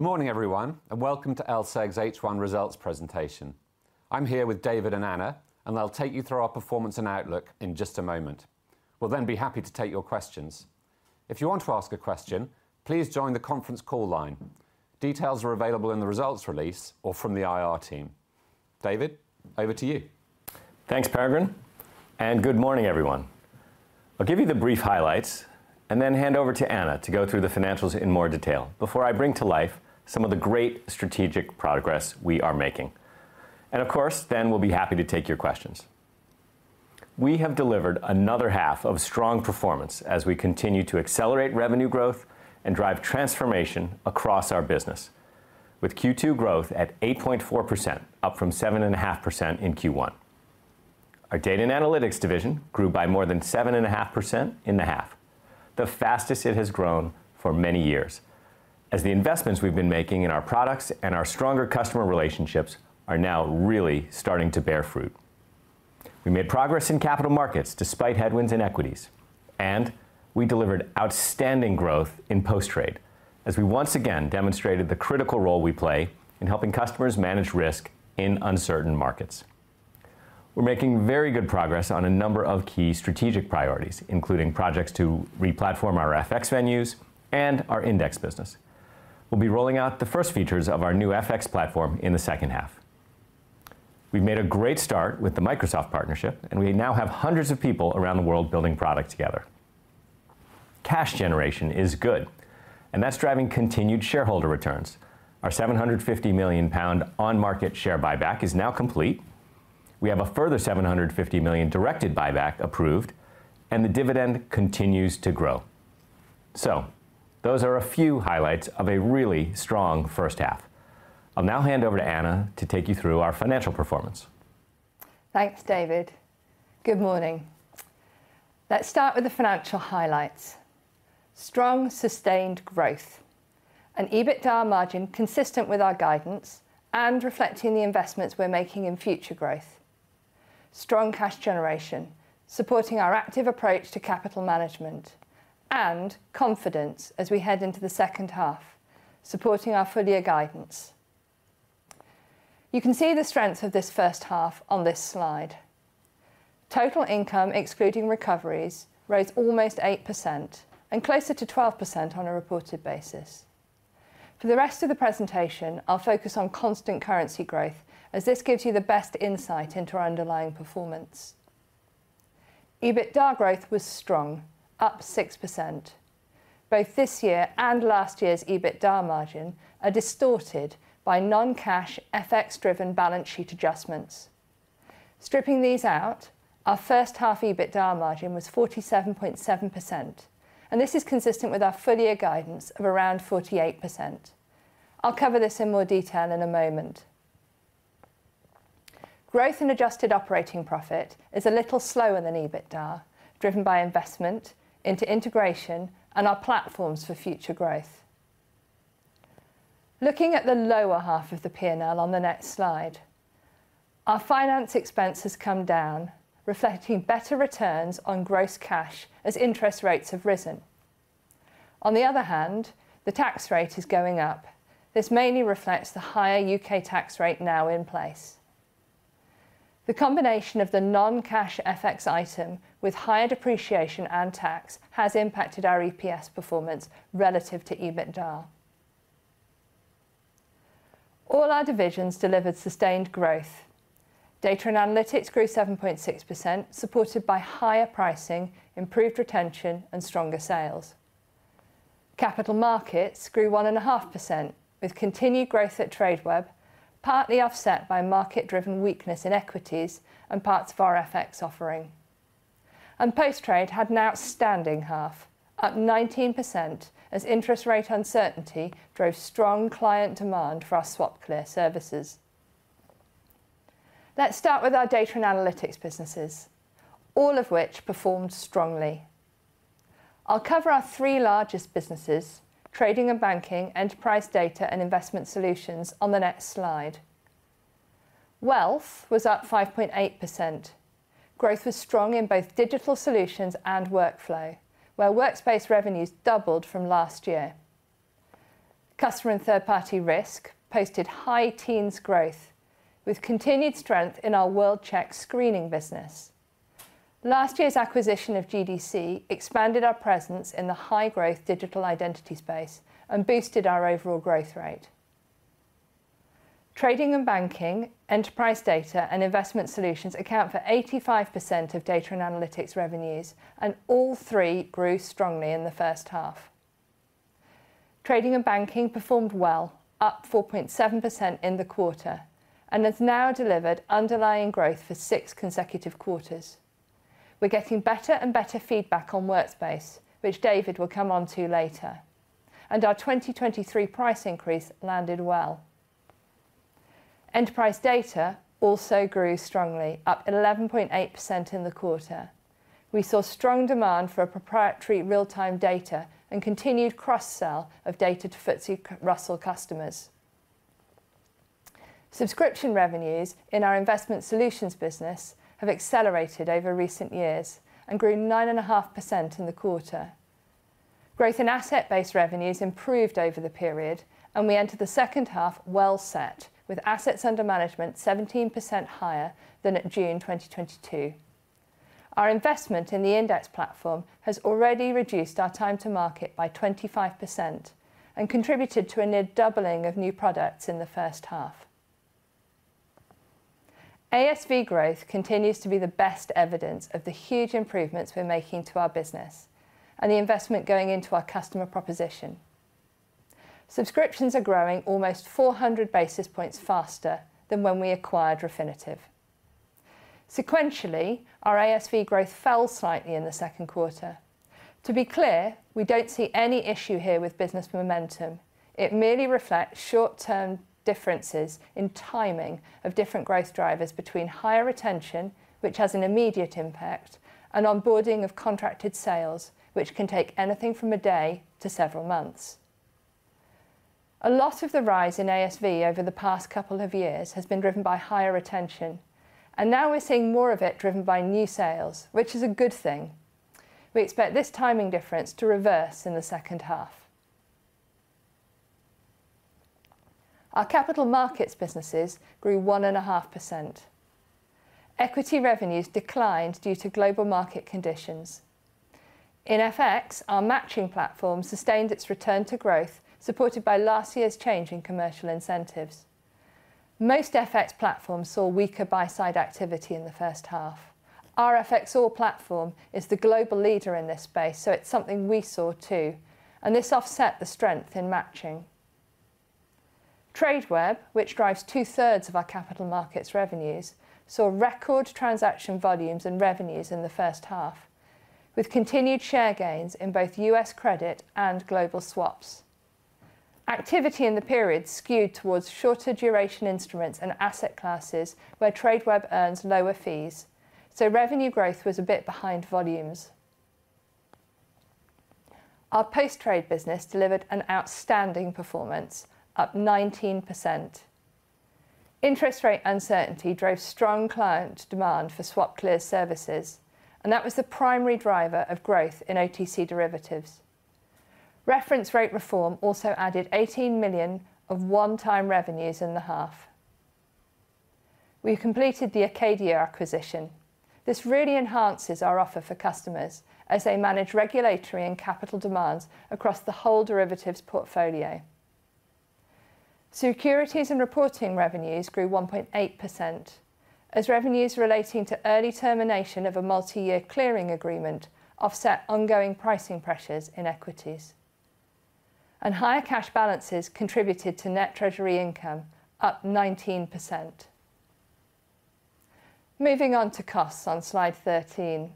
Good morning, everyone, and welcome to LSEG's H1 Results Presentation. I'm here with David and Anna, and they'll take you through our performance and outlook in just a moment. We'll then be happy to take your questions. If you want to ask a question, please join the conference call line. Details are available in the results release or from the IR team. David, over to you. Thanks, Peregrine. Good morning, everyone. I'll give you the brief highlights and then hand over to Anna to go through the financials in more detail before I bring to life some of the great strategic progress we are making. Of course, then we'll be happy to take your questions. We have delivered another half of strong performance as we continue to accelerate revenue growth and drive transformation across our business, with Q2 growth at 8.4%, up from 7.5% in Q1. Our data and analytics division grew by more than 7.5% in the half, the fastest it has grown for many years, as the investments we've been making in our products and our stronger customer relationships are now really starting to bear fruit. We made progress in capital markets despite headwinds in equities, and we delivered outstanding growth in post-trade, as we once again demonstrated the critical role we play in helping customers manage risk in uncertain markets. We're making very good progress on a number of key strategic priorities, including projects to re-platform our FX venues and our index business. We'll be rolling out the first features of our new FX platform in the second half. We've made a great start with the Microsoft partnership, and we now have hundreds of people around the world building product together. Cash generation is good, and that's driving continued shareholder returns. Our 750 million pound on-market share buyback is now complete. We have a further 750 million directed buyback approved, and the dividend continues to grow. Those are a few highlights of a really strong first half. I'll now hand over to Anna to take you through our financial performance. Thanks, David. Good morning. Let's start with the financial highlights. Strong, sustained growth, an EBITDA margin consistent with our guidance and reflecting the investments we're making in future growth. Strong cash generation, supporting our active approach to capital management, and confidence as we head into the second half, supporting our full-year guidance. You can see the strengths of this first half on this slide. Total income, excluding recoveries, rose almost 8% and closer to 12% on a reported basis. For the rest of the presentation, I'll focus on constant currency growth, as this gives you the best insight into our underlying performance. EBITDA growth was strong, up 6%. Both this year and last year's EBITDA margin are distorted by non-cash, FX-driven balance sheet adjustments. Stripping these out, our first half EBITDA margin was 47.7%, this is consistent with our full-year guidance of around 48%. I'll cover this in more detail in a moment. Growth in adjusted operating profit is a little slower than EBITDA, driven by investment into integration and our platforms for future growth. Looking at the lower half of the P&L on the next slide, our finance expense has come down, reflecting better returns on gross cash as interest rates have risen. On the other hand, the tax rate is going up. This mainly reflects the higher U.K. tax rate now in place. The combination of the non-cash FX item with higher depreciation and tax has impacted our EPS performance relative to EBITDA. All our divisions delivered sustained growth. Data and analytics grew 7.6%, supported by higher pricing, improved retention, and stronger sales. Capital markets grew 1.5%, with continued growth at Tradeweb, partly offset by market-driven weakness in equities and parts of our FX offering. Post-trade had an outstanding half, up 19%, as interest rate uncertainty drove strong client demand for our SwapClear services. Let's start with our data and analytics businesses, all of which performed strongly. I'll cover our three largest businesses, trading and banking, enterprise data, and investment solutions on the next slide. Wealth was up 5.8%. Growth was strong in both digital solutions and workflow, where workspace revenues doubled from last year. Customer and third-party risk posted high teens growth, with continued strength in our World-Check screening business. Last year's acquisition of GDC expanded our presence in the high-growth digital identity space and boosted our overall growth rate. Trading and banking, enterprise data, and investment solutions account for 85% of data and analytics revenues, and all three grew strongly in the first half. Trading and banking performed well, up 4.7% in the quarter, and has now delivered underlying growth for six consecutive quarters. We're getting better and better feedback on Workspace, which David will come on to later, and our 2023 price increase landed well. Enterprise data also grew strongly, up 11.8% in the quarter. We saw strong demand for a proprietary real-time data and continued cross-sell of data to FTSE Russell customers.... Subscription revenues in our investment solutions business have accelerated over recent years and grew 9.5% in the quarter. Growth in asset-based revenues improved over the period, and we entered the second half well set, with assets under management 17% higher than at June 2022. Our investment in the index platform has already reduced our time to market by 25% and contributed to a near doubling of new products in the first half. ASV growth continues to be the best evidence of the huge improvements we're making to our business and the investment going into our customer proposition. Subscriptions are growing almost 400 basis points faster than when we acquired Refinitiv. Sequentially, our ASV growth fell slightly in the second quarter. To be clear, we don't see any issue here with business momentum. It merely reflects short-term differences in timing of different growth drivers between higher retention, which has an immediate impact, and onboarding of contracted sales, which can take anything from a day to several months. A lot of the rise in ASV over the past couple of years has been driven by higher retention, and now we're seeing more of it driven by new sales, which is a good thing. We expect this timing difference to reverse in the second half. Our capital markets businesses grew 1.5%. Equity revenues declined due to global market conditions. In FX, our matching platform sustained its return to growth, supported by last year's change in commercial incentives. Most FX platforms saw weaker buy-side activity in the first half. Our FXAll platform is the global leader in this space, so it's something we saw, too, and this offset the strength in matching. Tradeweb, which drives 2/3 of our capital markets revenues, saw record transaction volumes and revenues in the first half, with continued share gains in both U.S. credit and global swaps. Activity in the period skewed towards shorter-duration instruments and asset classes, where Tradeweb earns lower fees, revenue growth was a bit behind volumes. Our post-trade business delivered an outstanding performance, up 19%. Interest rate uncertainty drove strong client demand for swap clear services, that was the primary driver of growth in OTC derivatives. Reference rate reform also added 18 million of one-time revenues in the half. We completed the Acadia acquisition. This really enhances our offer for customers as they manage regulatory and capital demands across the whole derivatives portfolio. Securities and reporting revenues grew 1.8%, as revenues relating to early termination of a multi-year clearing agreement offset ongoing pricing pressures in equities. Higher cash balances contributed to net treasury income, up 19%. Moving on to costs on Slide 13.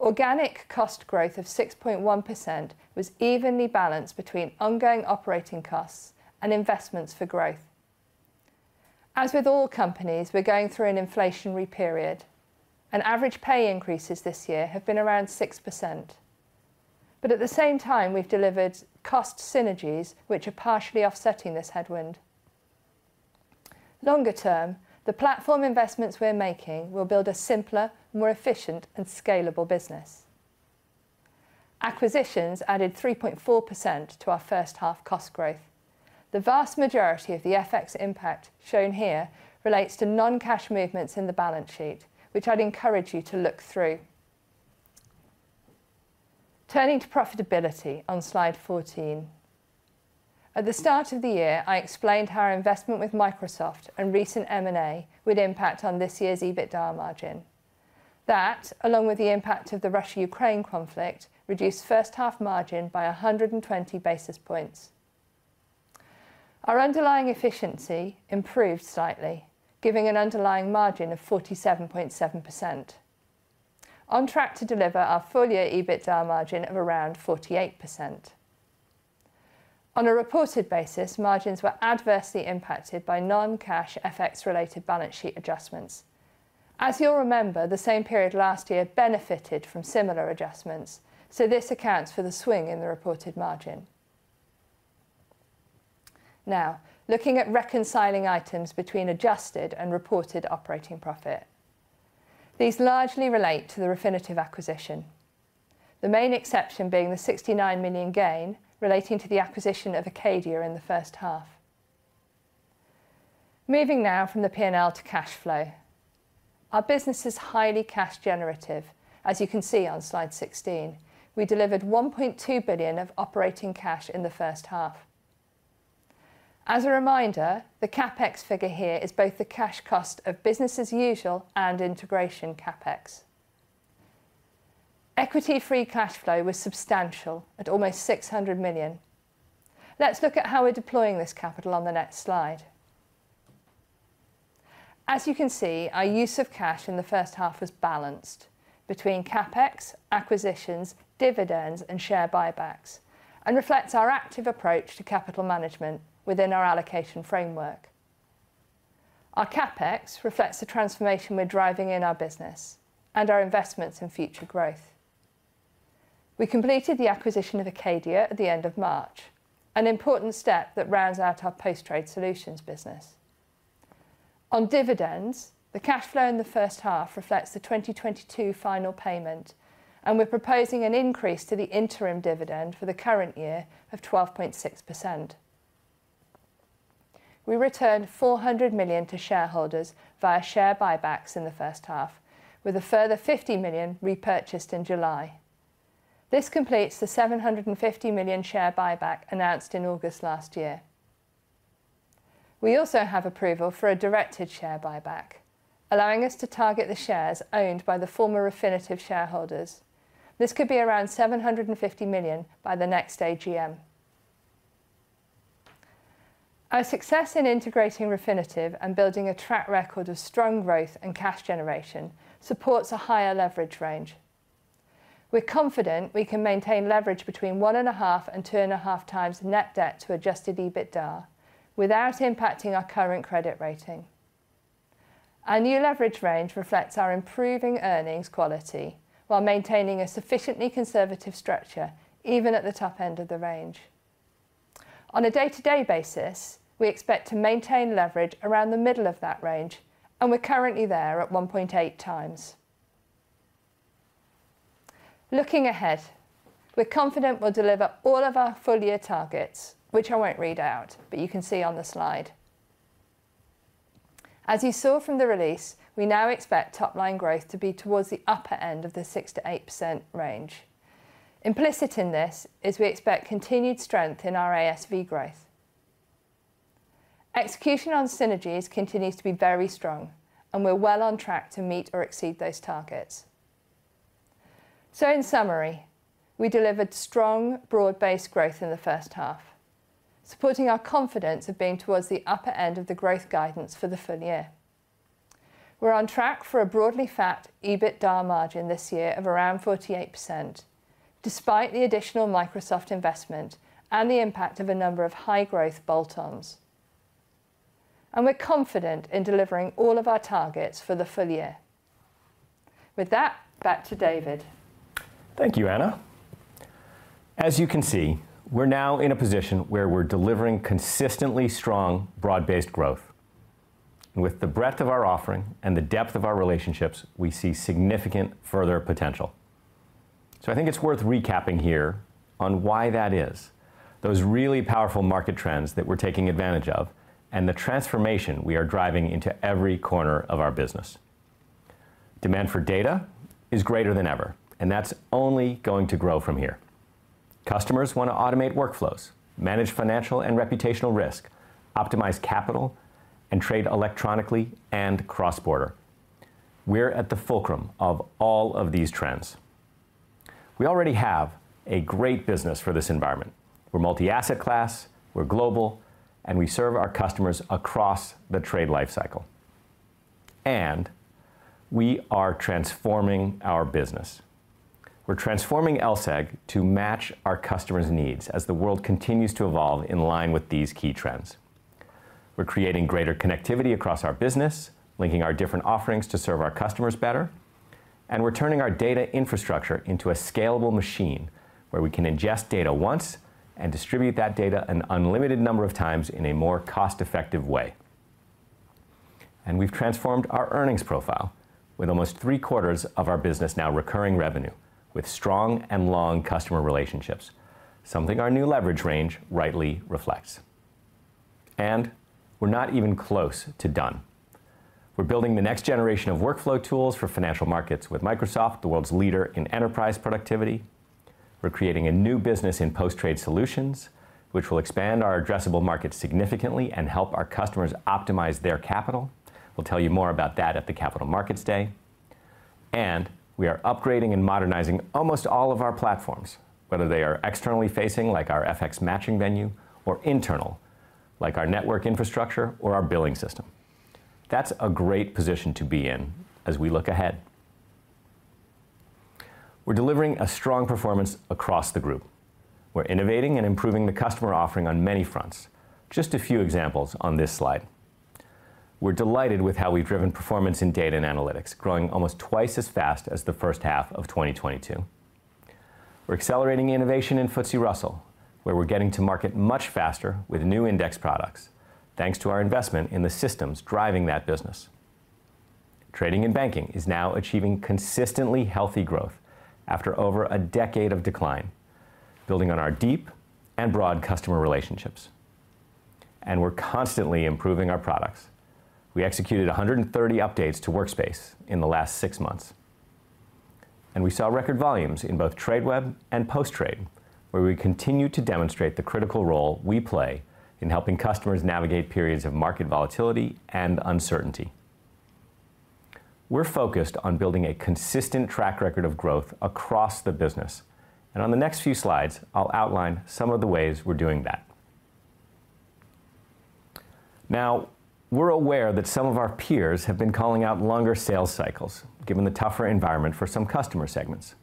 Organic cost growth of 6.1% was evenly balanced between ongoing operating costs and investments for growth. As with all companies, we're going through an inflationary period, and average pay increases this year have been around 6%. At the same time, we've delivered cost synergies which are partially offsetting this headwind. Longer term, the platform investments we're making will build a simpler, more efficient, and scalable business. Acquisitions added 3.4% to our first half cost growth. The vast majority of the FX impact shown here relates to non-cash movements in the balance sheet, which I'd encourage you to look through. Turning to profitability on Slide 14. At the start of the year, I explained how our investment with Microsoft and recent M&A would impact on this year's EBITDA margin. That, along with the impact of the Russia-Ukraine conflict, reduced first half margin by 120 basis points. Our underlying efficiency improved slightly, giving an underlying margin of 47.7%. On track to deliver our full-year EBITDA margin of around 48%. On a reported basis, margins were adversely impacted by non-cash FX-related balance sheet adjustments. As you'll remember, the same period last year benefited from similar adjustments, so this accounts for the swing in the reported margin. Now, looking at reconciling items between adjusted and reported operating profit. These largely relate to the Refinitiv acquisition, the main exception being the 69 million gain relating to the acquisition of Acadia in the first half. Moving now from the P&L to cash flow. Our business is highly cash generative, as you can see on Slide 16. We delivered 1.2 billion of operating cash in the first half. As a reminder, the CapEx figure here is both the cash cost of business as usual and integration CapEx. Equity-free cash flow was substantial at almost 600 million. Let's look at how we're deploying this capital on the next slide. As you can see, our use of cash in the first half was balanced between CapEx, acquisitions, dividends, and share buybacks, and reflects our active approach to capital management within our allocation framework. Our CapEx reflects the transformation we're driving in our business and our investments in future growth. We completed the acquisition of Acadia at the end of March, an important step that rounds out our post-trade solutions business. On dividends, the cash flow in the first half reflects the 2022 final payment, and we're proposing an increase to the interim dividend for the current year of 12.6%. We returned 400 million to shareholders via share buybacks in the first half, with a further 50 million repurchased in July. This completes the 750 million share buyback announced in August last year. We also have approval for a directed share buyback, allowing us to target the shares owned by the former Refinitiv shareholders. This could be around 750 million by the next AGM. Our success in integrating Refinitiv and building a track record of strong growth and cash generation supports a higher leverage range. We're confident we can maintain leverage between 1.5 and 2.5x net debt to Adjusted EBITDA without impacting our current credit rating. Our new leverage range reflects our improving earnings quality while maintaining a sufficiently conservative structure, even at the top end of the range. On a day-to-day basis, we expect to maintain leverage around the middle of that range, and we're currently there at 1.8x. Looking ahead, we're confident we'll deliver all of our full-year targets, which I won't read out, but you can see on the slide. As you saw from the release, we now expect top-line growth to be towards the upper end of the 6%-8% range. Implicit in this is we expect continued strength in our ASV growth. Execution on synergies continues to be very strong, and we're well on track to meet or exceed those targets. In summary, we delivered strong, broad-based growth in the first half, supporting our confidence of being towards the upper end of the growth guidance for the full year. We're on track for a broadly flat EBITDA margin this year of around 48%, despite the additional Microsoft investment and the impact of a number of high-growth bolt-ons. We're confident in delivering all of our targets for the full year. With that, back to David. Thank you, Anna. As you can see, we're now in a position where we're delivering consistently strong, broad-based growth. With the breadth of our offering and the depth of our relationships, we see significant further potential. I think it's worth recapping here on why that is, those really powerful market trends that we're taking advantage of, and the transformation we are driving into every corner of our business. Demand for data is greater than ever, and that's only going to grow from here. Customers want to automate workflows, manage financial and reputational risk, optimize capital, and trade electronically and cross-border. We're at the fulcrum of all of these trends. We already have a great business for this environment. We're multi-asset class, we're global, and we serve our customers across the trade life cycle. We are transforming our business. We're transforming LSEG to match our customers' needs as the world continues to evolve in line with these key trends. We're creating greater connectivity across our business, linking our different offerings to serve our customers better, and we're turning our data infrastructure into a scalable machine, where we can ingest data once and distribute that data an unlimited number of times in a more cost-effective way. We've transformed our earnings profile, with almost three-quarters of our business now recurring revenue, with strong and long customer relationships, something our new leverage range rightly reflects. We're not even close to done. We're building the next generation of workflow tools for financial markets with Microsoft, the world's leader in enterprise productivity. We're creating a new business in post-trade solutions, which will expand our addressable market significantly and help our customers optimize their capital. We'll tell you more about that at the Capital Markets Day. We are upgrading and modernizing almost all of our platforms, whether they are externally facing, like our FX matching venue, or internal, like our network infrastructure or our billing system. That's a great position to be in as we look ahead. We're delivering a strong performance across the group. We're innovating and improving the customer offering on many fronts. Just a few examples on this slide. We're delighted with how we've driven performance in data and analytics, growing almost twice as fast as the first half of 2022. We're accelerating innovation in FTSE Russell, where we're getting to market much faster with new index products, thanks to our investment in the systems driving that business. Trading and banking is now achieving consistently healthy growth after over a decade of decline, building on our deep and broad customer relationships. We're constantly improving our products. We executed 130 updates to Workspace in the last six months. We saw record volumes in both TradeWeb and Post Trade, where we continue to demonstrate the critical role we play in helping customers navigate periods of market volatility and uncertainty. We're focused on building a consistent track record of growth across the business. On the next few slides, I'll outline some of the ways we're doing that. Now, we're aware that some of our peers have been calling out longer sales cycles, given the tougher environment for some customer segments.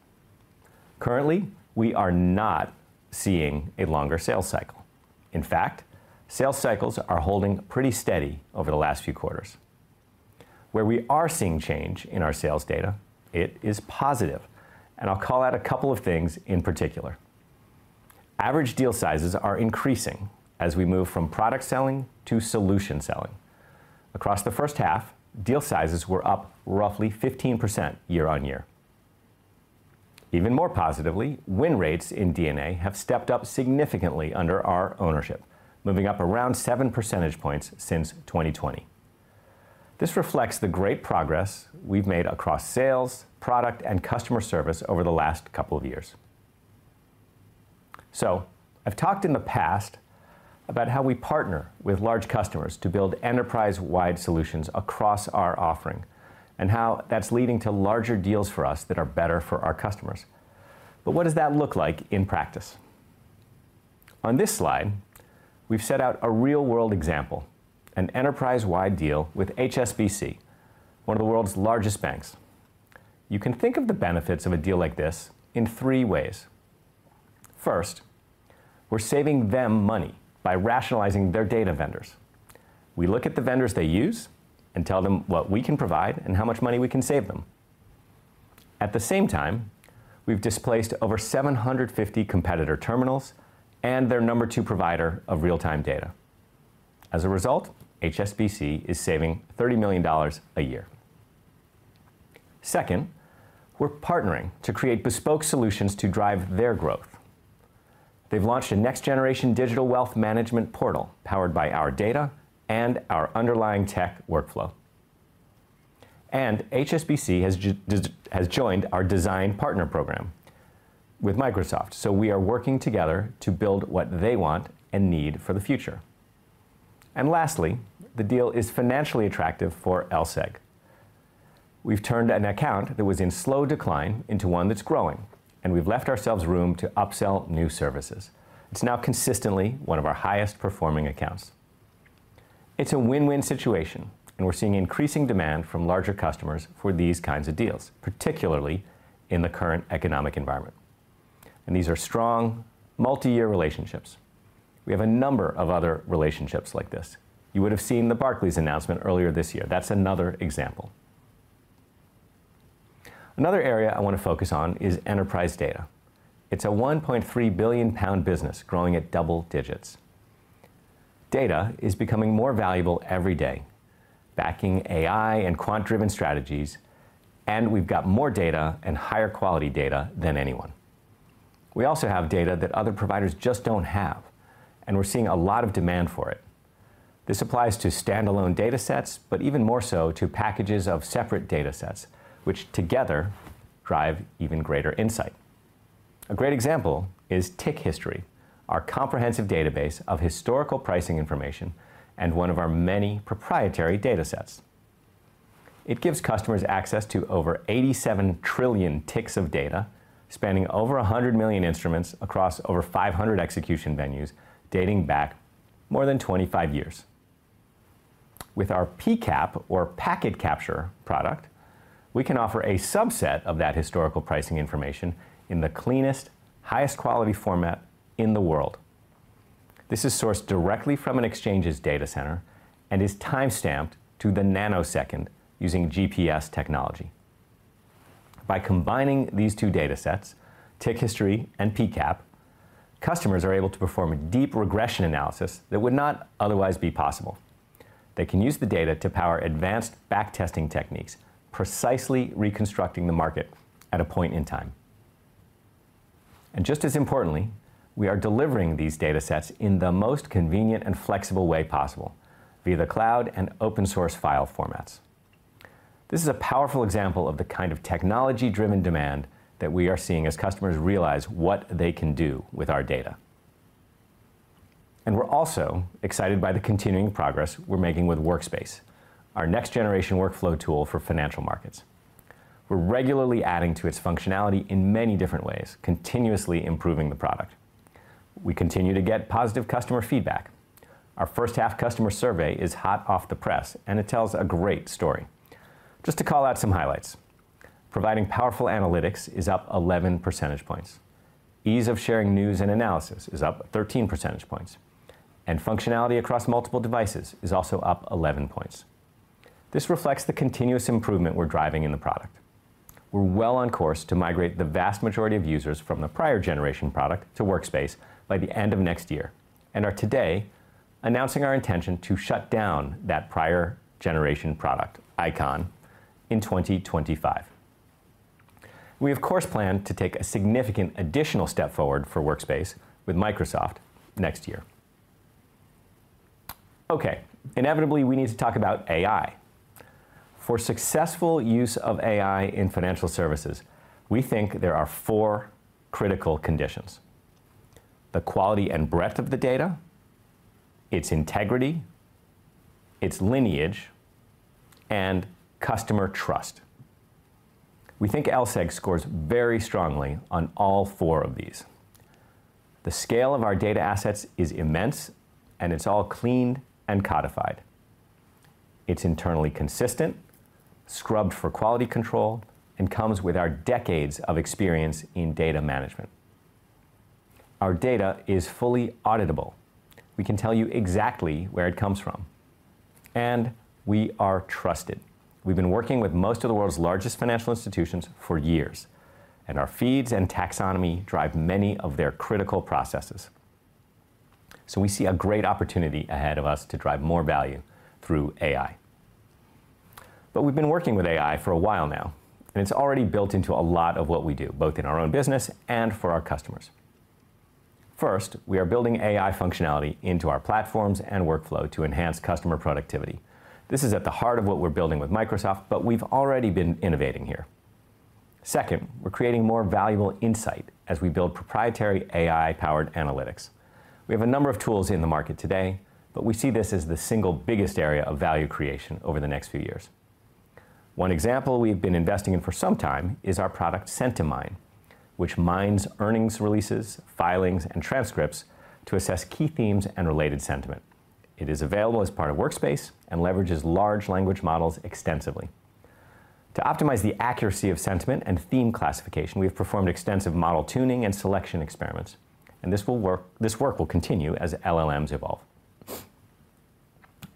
Currently, we are not seeing a longer sales cycle. In fact, sales cycles are holding pretty steady over the last few quarters. where we are seeing change in our sales data, it is positive, and I'll call out a couple of things in particular. Average deal sizes are increasing as we move from product selling to solution selling. Across the first half, deal sizes were up roughly 15% year-over-year. Even more positively, win rates in DNA have stepped up significantly under our ownership, moving up around 7 percentage points since 2020. This reflects the great progress we've made across sales, product, and customer service over the last couple of years. I've talked in the past about how we partner with large customers to build enterprise-wide solutions across our offering and how that's leading to larger deals for us that are better for our customers. What does that look like in practice? On this slide, we've set out a real-world example, an enterprise-wide deal with HSBC, one of the world's largest banks. You can think of the benefits of a deal like this in three ways. First, we're saving them money by rationalizing their data vendors. We look at the vendors they use and tell them what we can provide and how much money we can save them. At the same time, we've displaced over 750 competitor terminals and their number two provider of real-time data. As a result, HSBC is saving $30 million a year. Second, we're partnering to create bespoke solutions to drive their growth. They've launched a next-generation digital wealth management portal powered by our data and our underlying tech workflow. HSBC has joined our design partner program with Microsoft, so we are working together to build what they want and need for the future. Lastly, the deal is financially attractive for LSEG. We've turned an account that was in slow decline into one that's growing, and we've left ourselves room to upsell new services. It's now consistently one of our highest-performing accounts. It's a win-win situation, and we're seeing increasing demand from larger customers for these kinds of deals, particularly in the current economic environment. These are strong, multi-year relationships. We have a number of other relationships like this. You would have seen the Barclays announcement earlier this year. That's another example. Another area I want to focus on is enterprise data. It's a 1.3 billion pound business growing at double digits. Data is becoming more valuable every day, backing AI and quant-driven strategies. We've got more data and higher quality data than anyone. We also have data that other providers just don't have. We're seeing a lot of demand for it. This applies to standalone datasets. Even more so to packages of separate datasets, which together drive even greater insight. A great example is Tick History, our comprehensive database of historical pricing information and one of our many proprietary datasets. It gives customers access to over 87 trillion ticks of data, spanning over 100 million instruments across over 500 execution venues, dating back more than 25 years. With our PCAP or packet capture product, we can offer a subset of that historical pricing information in the cleanest, highest quality format in the world. This is sourced directly from an exchange's data center and is timestamped to the nanosecond using GPS technology. By combining these two datasets, Tick History and PCAP, customers are able to perform a deep regression analysis that would not otherwise be possible. They can use the data to power advanced backtesting techniques, precisely reconstructing the market at a point in time. Just as importantly, we are delivering these datasets in the most convenient and flexible way possible, via the cloud and open-source file formats. This is a powerful example of the kind of technology-driven demand that we are seeing as customers realize what they can do with our data. We're also excited by the continuing progress we're making with Workspace, our next-generation workflow tool for financial markets. We're regularly adding to its functionality in many different ways, continuously improving the product. We continue to get positive customer feedback. Our first-half customer survey is hot off the press, and it tells a great story. Just to call out some highlights. Providing powerful analytics is up 11 percentage points. Ease of sharing news and analysis is up 13 percentage points, and functionality across multiple devices is also up 11 points. This reflects the continuous improvement we're driving in the product. We're well on course to migrate the vast majority of users from the prior generation product to Workspace by the end of next year and are today announcing our intention to shut down that prior generation product, Eikon, in 2025. We, of course, plan to take a significant additional step forward for Workspace with Microsoft next year. Okay, inevitably, we need to talk about AI. For successful use of AI in financial services, we think there are four critical conditions: the quality and breadth of the data, its integrity, its lineage, and customer trust. We think LSEG scores very strongly on all four of these. The scale of our data assets is immense, and it's all cleaned and codified. It's internally consistent, scrubbed for quality control, and comes with our decades of experience in data management.... Our data is fully auditable. We can tell you exactly where it comes from, and we are trusted. We've been working with most of the world's largest financial institutions for years, and our feeds and taxonomy drive many of their critical processes. We see a great opportunity ahead of us to drive more value through AI. We've been working with AI for a while now, and it's already built into a lot of what we do, both in our own business and for our customers. First, we are building AI functionality into our platforms and workflow to enhance customer productivity. This is at the heart of what we're building with Microsoft, but we've already been innovating here. Second, we're creating more valuable insight as we build proprietary AI-powered analytics. We have a number of tools in the market today, but we see this as the single biggest area of value creation over the next few years. One example we've been investing in for some time is our product Sentimine, which mines earnings releases, filings, and transcripts to assess key themes and related sentiment. It is available as part of Workspace and leverages large language models extensively. To optimize the accuracy of sentiment and theme classification, we have performed extensive model tuning and selection experiments. This work will continue as LLMs evolve.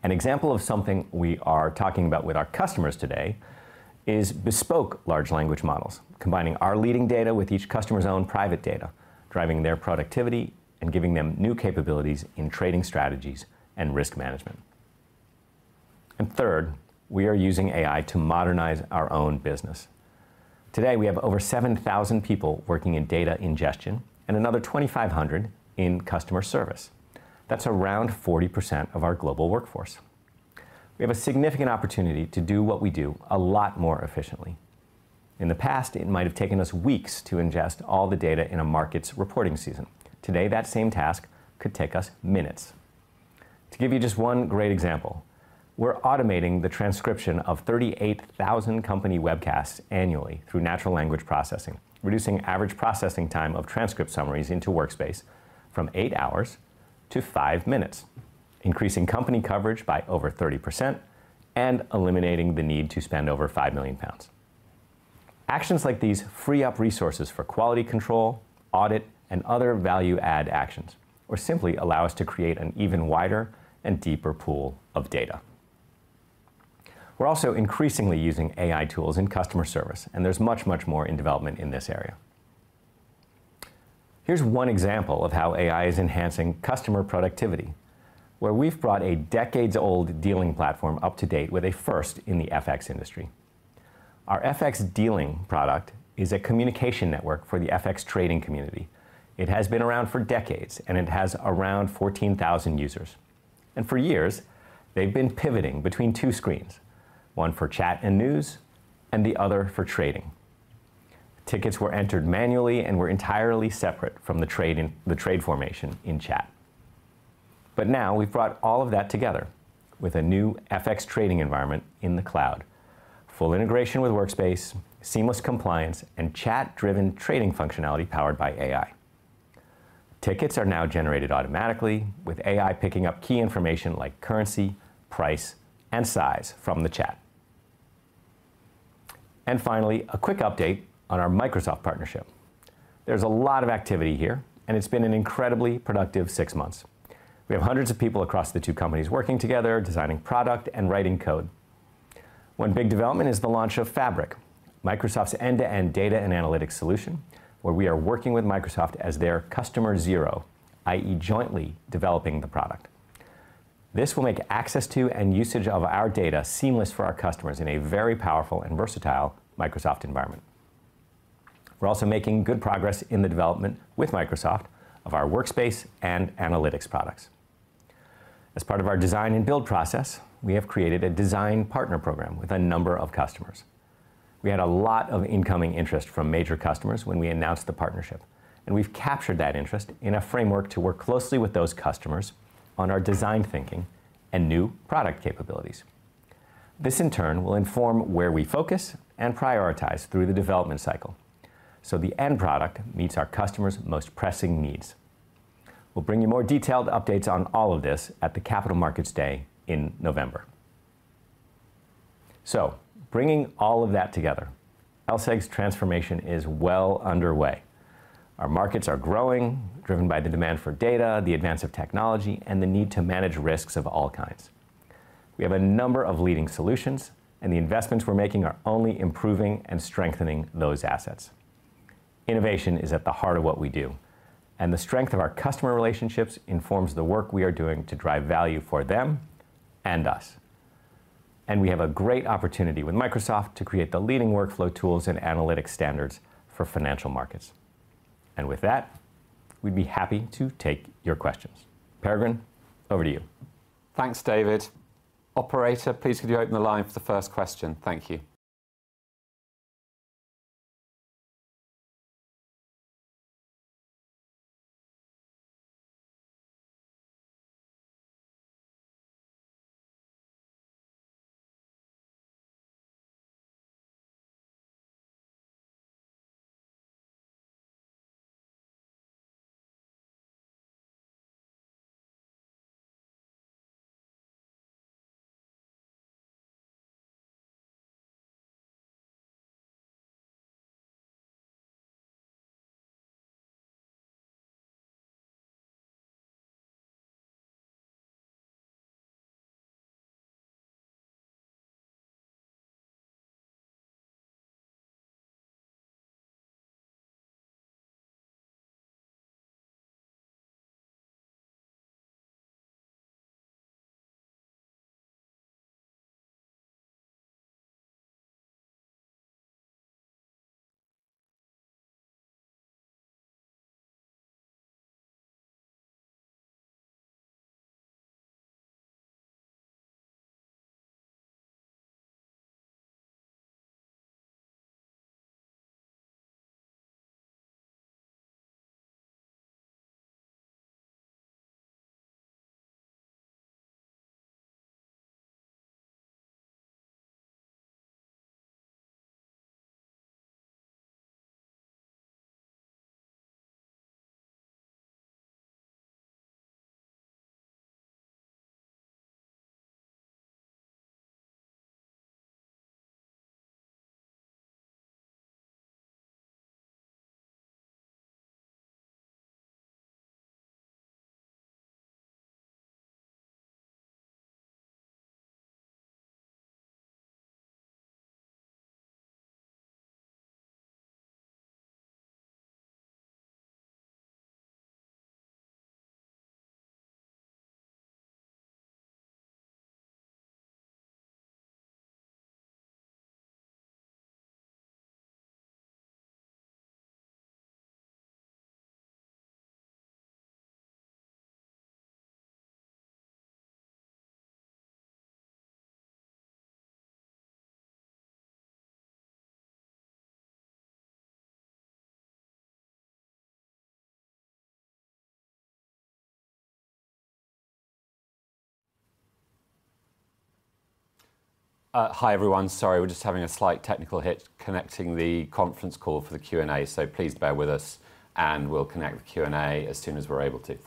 An example of something we are talking about with our customers today is bespoke large language models, combining our leading data with each customer's own private data, driving their productivity and giving them new capabilities in trading strategies and risk management. Third, we are using AI to modernize our own business. Today, we have over 7,000 people working in data ingestion and another 2,500 in customer service. That's around 40% of our global workforce. We have a significant opportunity to do what we do a lot more efficiently. In the past, it might have taken us weeks to ingest all the data in a market's reporting season. Today, that same task could take us minutes. To give you just one great example, we're automating the transcription of 38,000 company webcasts annually through natural language processing, reducing average processing time of transcript summaries into Workspace from 8 hours to 5 minutes, increasing company coverage by over 30% and eliminating the need to spend over 5 million pounds. Actions like these free up resources for quality control, audit, and other value-add actions, or simply allow us to create an even wider and deeper pool of data. We're also increasingly using AI tools in customer service, and there's much, much more in development in this area. Here's one example of how AI is enhancing customer productivity, where we've brought a decades-old dealing platform up to date with a first in the FX industry. Our FX dealing product is a communication network for the FX trading community. It has been around for decades, and it has around 14,000 users. For years, they've been pivoting between two screens, one for chat and news and the other for trading. Tickets were entered manually and were entirely separate from the trade formation in chat. Now we've brought all of that together with a new FX trading environment in the cloud. Full integration with Workspace, seamless compliance, and chat-driven trading functionality powered by AI. Tickets are now generated automatically, with AI picking up key information like currency, price, and size from the chat. Finally, a quick update on our Microsoft partnership. There's a lot of activity here, and it's been an incredibly productive six months. We have hundreds of people across the two companies working together, designing product and writing code. One big development is the launch of Fabric, Microsoft's end-to-end data and analytics solution, where we are working with Microsoft as their customer zero, i.e., jointly developing the product. This will make access to and usage of our data seamless for our customers in a very powerful and versatile Microsoft environment. We're also making good progress in the development with Microsoft of our Workspace and analytics products. As part of our design and build process, we have created a design partner program with a number of customers. We had a lot of incoming interest from major customers when we announced the partnership, and we've captured that interest in a framework to work closely with those customers on our design thinking and new product capabilities. This, in turn, will inform where we focus and prioritize through the development cycle, so the end product meets our customers' most pressing needs. We'll bring you more detailed updates on all of this at the Capital Markets Day in November. Bringing all of that together, LSEG's transformation is well underway. Our markets are growing, driven by the demand for data, the advance of technology, and the need to manage risks of all kinds. We have a number of leading solutions, and the investments we're making are only improving and strengthening those assets. Innovation is at the heart of what we do, and the strength of our customer relationships informs the work we are doing to drive value for them and us. We have a great opportunity with Microsoft to create the leading workflow tools and analytics standards for financial markets. With that, we'd be happy to take your questions. Peregrine, over to you. Thanks, David. Operator, please could you open the line for the first question? Thank you. Hi, everyone. Sorry, we're just having a slight technical hitch connecting the conference call for the Q&A, so please bear with us, and we'll connect the Q&A as soon as we're able to.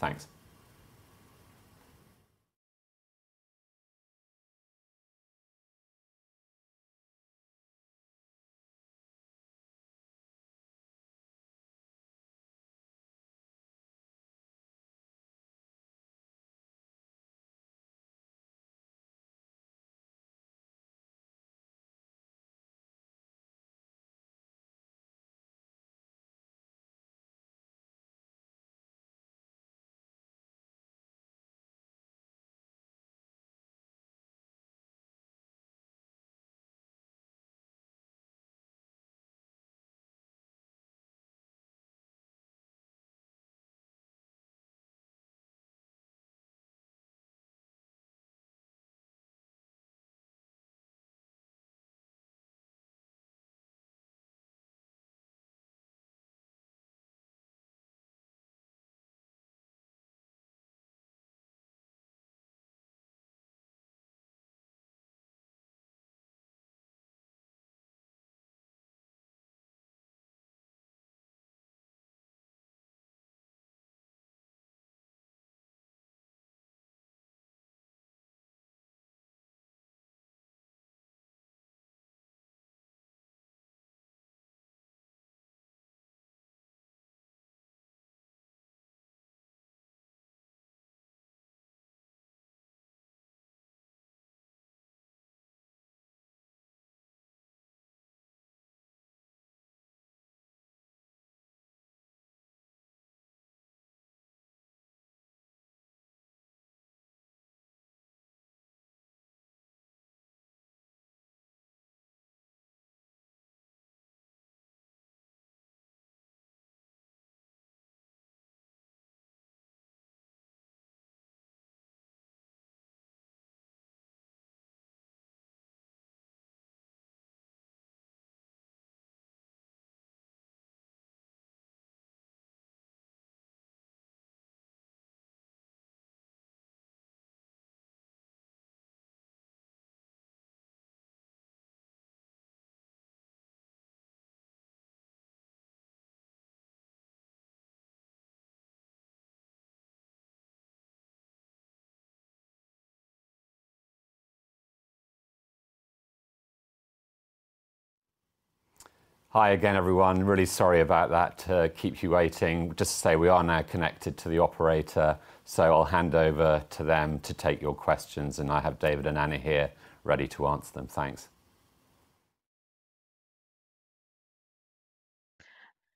Thanks.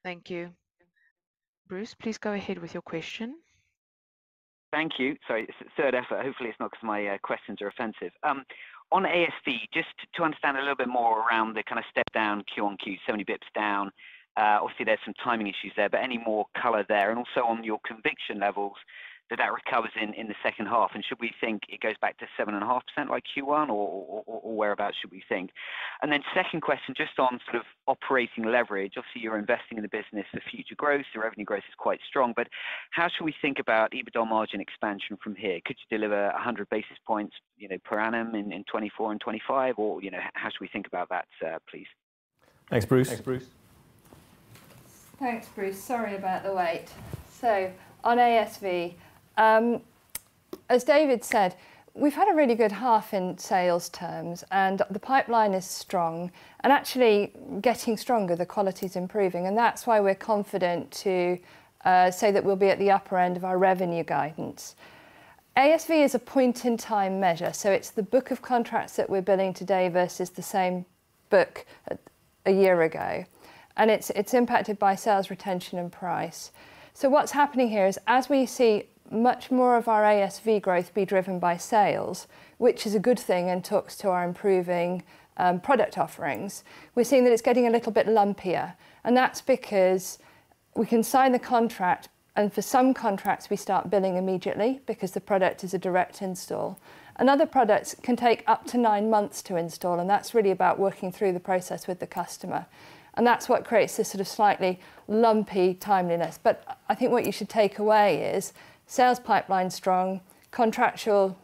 Thank you. Bruce, please go ahead with your question. Thank you. Sorry, it's a third effort. Hopefully, it's not because my questions are offensive. On ASD, just to understand a little bit more around the kind of step down Q on Q, 70 bits down. Obviously, there's some timing issues there, any more color there? Also on your conviction levels, that that recovers in the second half, should we think it goes back to 7.5% like Q1, or whereabouts should we think? Second question, just on sort of operating leverage. Obviously, you're investing in the business for future growth, your revenue growth is quite strong, but how should we think about EBITDA margin expansion from here? Could you deliver 100 basis points, you know, per annum in 2024 and 2025? You know, how should we think about that, please? Thanks, Bruce. Thanks, Bruce. Sorry about the late. On ASV, as David said, we've had a really good half in sales terms, and the pipeline is strong and actually getting stronger. The quality is improving, and that's why we're confident to say that we'll be at the upper end of our revenue guidance. ASV is a point-in-time measure, so it's the book of contracts that we're billing today versus the same book a, a year ago, and it's, it's impacted by sales, retention, and price. What's happening here is, as we see much more of our ASV growth be driven by sales, which is a good thing and talks to our improving product offerings, we're seeing that it's getting a little bit lumpier, and that's because we can sign the contract, and for some contracts, we start billing immediately because the product is a direct install, and other products can take up to nine months to install, and that's really about working through the process with the customer, and that's what creates this sort of slightly lumpy timeliness. I think what you should take away is sales pipeline's strong, contractual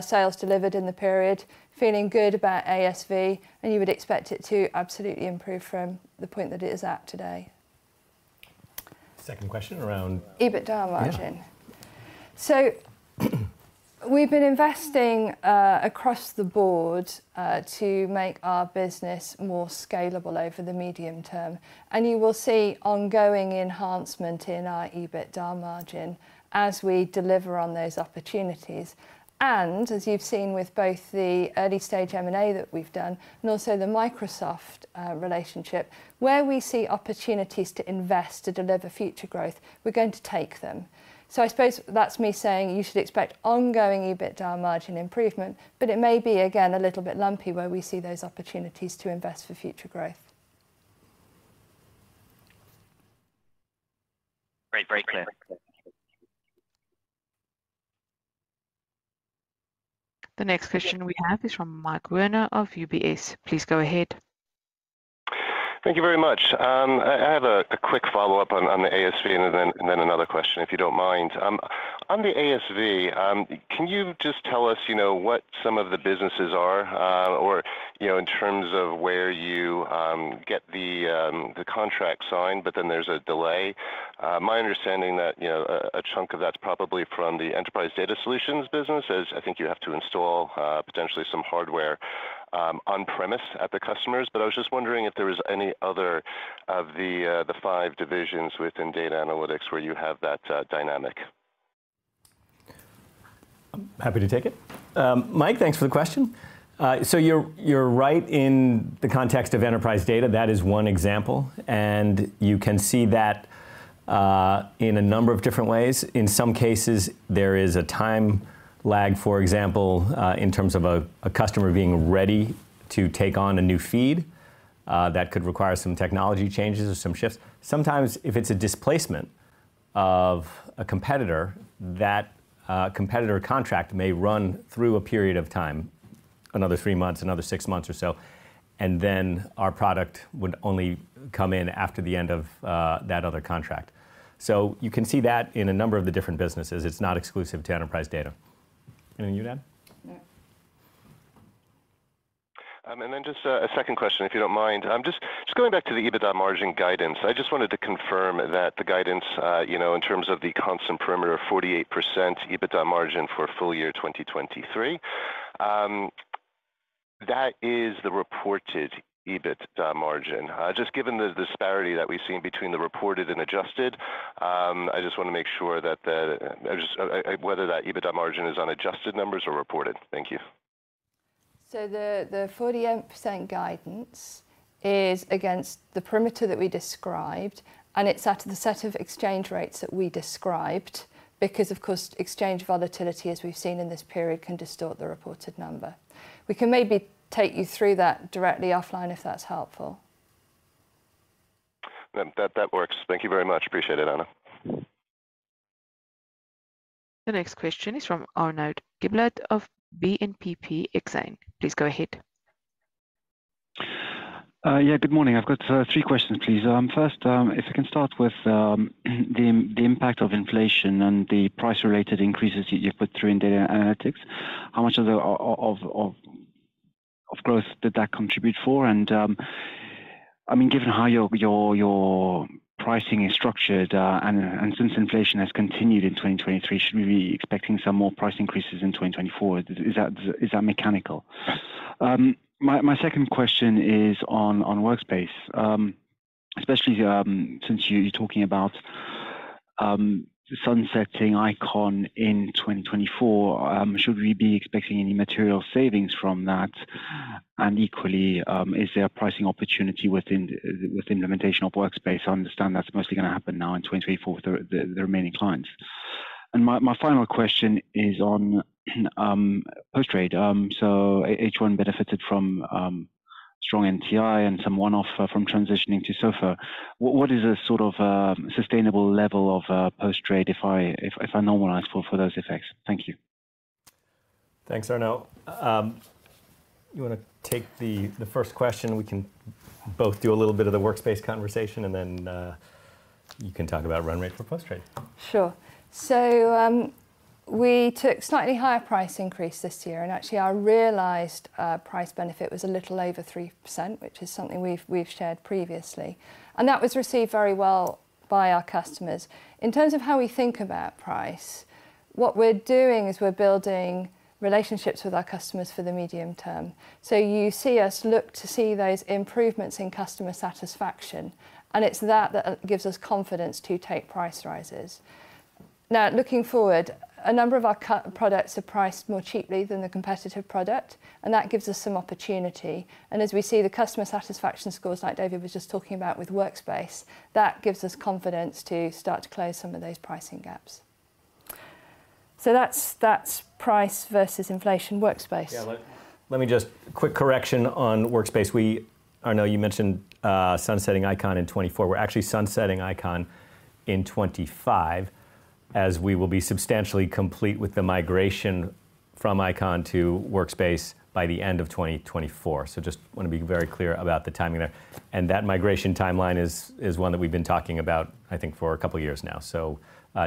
sales delivered in the period, feeling good about ASV, and you would expect it to absolutely improve from the point that it is at today. Second question around- EBITDA margin. Yeah. We've been investing across the board to make our business more scalable over the medium term, and you will see ongoing enhancement in our EBITDA margin as we deliver on those opportunities. As you've seen with both the early-stage M&A that we've done and also the Microsoft relationship, where we see opportunities to invest to deliver future growth, we're going to take them. I suppose that's me saying you should expect ongoing EBITDA margin improvement, but it may be, again, a little bit lumpy where we see those opportunities to invest for future growth. Great. Very clear. The next question we have is from Mike Werner of UBS. Please go ahead. Thank you very much. I, I have a, a quick follow-up on, on the ASV and then, and then another question, if you don't mind. On the ASV, can you just tell us, you know, what some of the businesses are, or, you know, in terms of where you get the contract signed, but then there's a delay? My understanding that, you know, a, a chunk of that's probably from the Enterprise Data Solutions business, as I think you have to install, potentially some hardware, on premise at the customers. I was just wondering if there was any other of the five divisions within data analytics where you have that dynamic. I'm happy to take it. Mike, thanks for the question. You're, you're right in the context of enterprise data. That is one example, and you can see that in a number of different ways. In some cases, there is a time lag, for example, in terms of a, a customer being ready to take on a new feed, that could require some technology changes or some shifts. Sometimes if it's a displacement of a competitor, that competitor contract may run through a period of time, another three months, another six months or so, and then our product would only come in after the end of that other contract. You can see that in a number of the different businesses. It's not exclusive to enterprise data. Anything you add? No. Then just a second question, if you don't mind. Just going back to the EBITDA margin guidance. I just wanted to confirm that the guidance, you know, in terms of the constant perimeter of 48% EBITDA margin for full year 2023, that is the reported EBITDA margin. Just given the disparity that we've seen between the reported and adjusted, I just want to make sure that the whether that EBITDA margin is on adjusted numbers or reported. Thank you. The 48% guidance is against the perimeter that we described, and it's at the set of exchange rates that we described, because, of course, exchange volatility, as we've seen in this period, can distort the reported number. We can maybe take you through that directly offline, if that's helpful. That works. Thank you very much. Appreciate it, Anna. The next question is from Arnaud Giblat of BNP Exane. Please go ahead. Yeah, good morning. I've got three questions, please. First, if you can start with the, the impact of inflation and the price-related increases that you've put through in Data Analytics. How much of the growth did that contribute for? I mean, given how your, your, your pricing is structured, and since inflation has continued in 2023, should we be expecting some more price increases in 2024? Is that, is that mechanical? My, my second question is on, on Workspace. Especially, since you're talking about sunsetting Icon in 2024, should we be expecting any material savings from that? Equally, is there a pricing opportunity within the, within the implementation of Workspace? I understand that's mostly gonna happen now in 2024 for the, the remaining clients. My, my final question is on post-trade. H1 benefited from strong NTI and some one-off from transitioning to SOFR. What, what is a sort of sustainable level of post-trade if I, if, if I normalize for, for those effects? Thank you. Thanks, Arnold. You want to take the first question? We can both do a little bit of the Workspace conversation, and then, you can talk about run rate for post-trade. Sure. We took slightly higher price increase this year, and actually, our realized price benefit was a little over 3%, which is something we've, we've shared previously, and that was received very well by our customers. In terms of how we think about price, what we're doing is we're building relationships with our customers for the medium term. You see us look to see those improvements in customer satisfaction, and it's that that gives us confidence to take price rises. Now, looking forward, a number of our products are priced more cheaply than the competitive product, and that gives us some opportunity. As we see the customer satisfaction scores, like David was just talking about with Workspace, that gives us confidence to start to close some of those pricing gaps. That's, that's price versus inflation workspace. Yeah. Quick correction on Workspace. I know you mentioned sunsetting Icon in 2024. We're actually sunsetting Icon in 2025, as we will be substantially complete with the migration from Icon to Workspace by the end of 2024. Just wanna be very clear about the timing there. That migration timeline is, is one that we've been talking about, I think, for a couple of years now.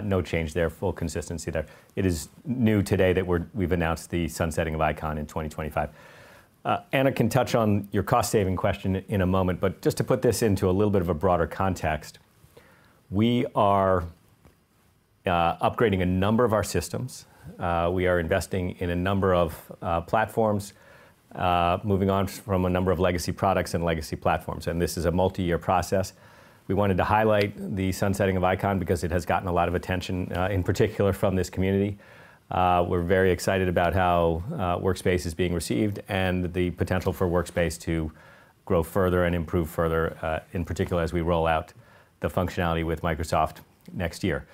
No change there. Full consistency there. It is new today that we've announced the sunsetting of Icon in 2025. Anna can touch on your cost-saving question in a moment, but just to put this into a little bit of a broader context, we are upgrading a number of our systems. We are investing in a number of platforms, moving on from a number of legacy products and legacy platforms. This is a multi-year process. We wanted to highlight the sunsetting of Icon because it has gotten a lot of attention, in particular from this community. We're very excited about how Workspace is being received and the potential for Workspace to grow further and improve further, in particular, as we roll out the functionality with Microsoft next year.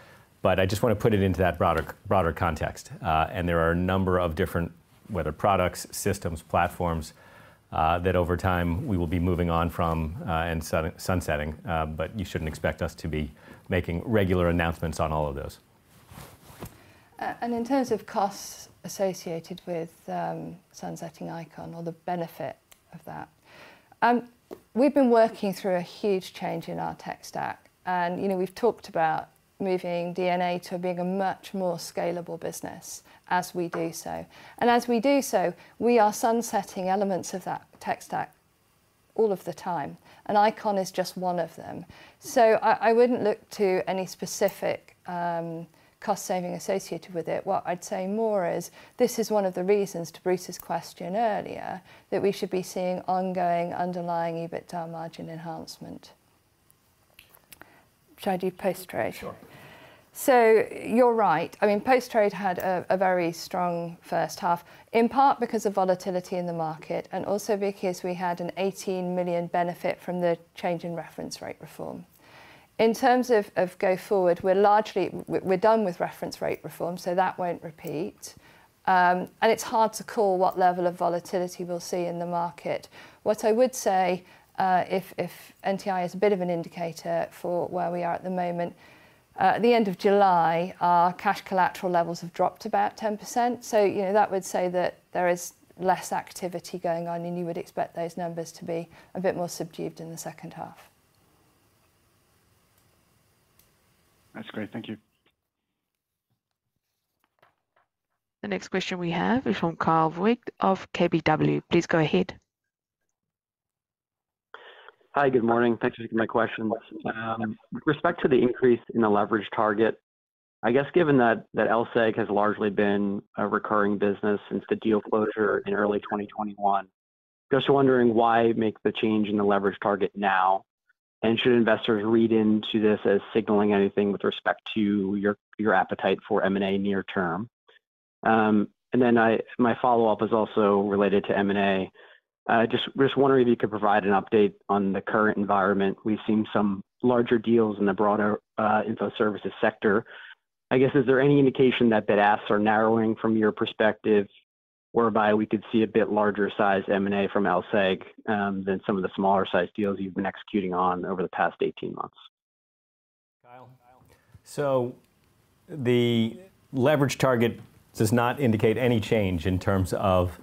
I just wanna put it into that broader, broader context. There are a number of different, whether products, systems, platforms, that over time we will be moving on from and sunsetting. You shouldn't expect us to be making regular announcements on all of those. In terms of costs associated with, sunsetting Icon or the benefit of that, we've been working through a huge change in our tech stack. You know, we've talked about moving DNA to being a much more scalable business as we do so. As we do so, we are sunsetting elements of that tech stack all of the time, and Icon is just one of them. I, I wouldn't look to any specific, cost saving associated with it. What I'd say more is, this is one of the reasons, to Bruce's question earlier, that we should be seeing ongoing underlying EBITDA margin enhancement. Should I do Post Trade? Sure. You're right. I mean, Post Trade had a very strong first half, in part because of volatility in the market, and also because we had a 18 million benefit from the change in reference rate reform. In terms of go forward, we're largely... We're done with reference rate reform, so that won't repeat. It's hard to call what level of volatility we'll see in the market. What I would say, if NTI is a bit of an indicator for where we are at the moment, at the end of July, our cash collateral levels have dropped about 10%. You know, that would say that there is less activity going on, and you would expect those numbers to be a bit more subdued in the second half. That's great. Thank you. The next question we have is from Kyle Voigt of KBW. Please go ahead. Hi, good morning. Thanks for taking my questions. With respect to the increase in the leverage target, I guess given that, that LSEG has largely been a recurring business since the deal closure in early 2021, just wondering why make the change in the leverage target now, and should investors read into this as signaling anything with respect to your, your appetite for M&A near term? My follow-up is also related to M&A. Just, just wondering if you could provide an update on the current environment. We've seen some larger deals in the broader, info services sector. I guess, is there any indication that bid asks are narrowing from your perspective, whereby we could see a bit larger size M&A from LSEG, than some of the smaller-sized deals you've been executing on over the past 18 months? Kyle. The leverage target does not indicate any change in terms of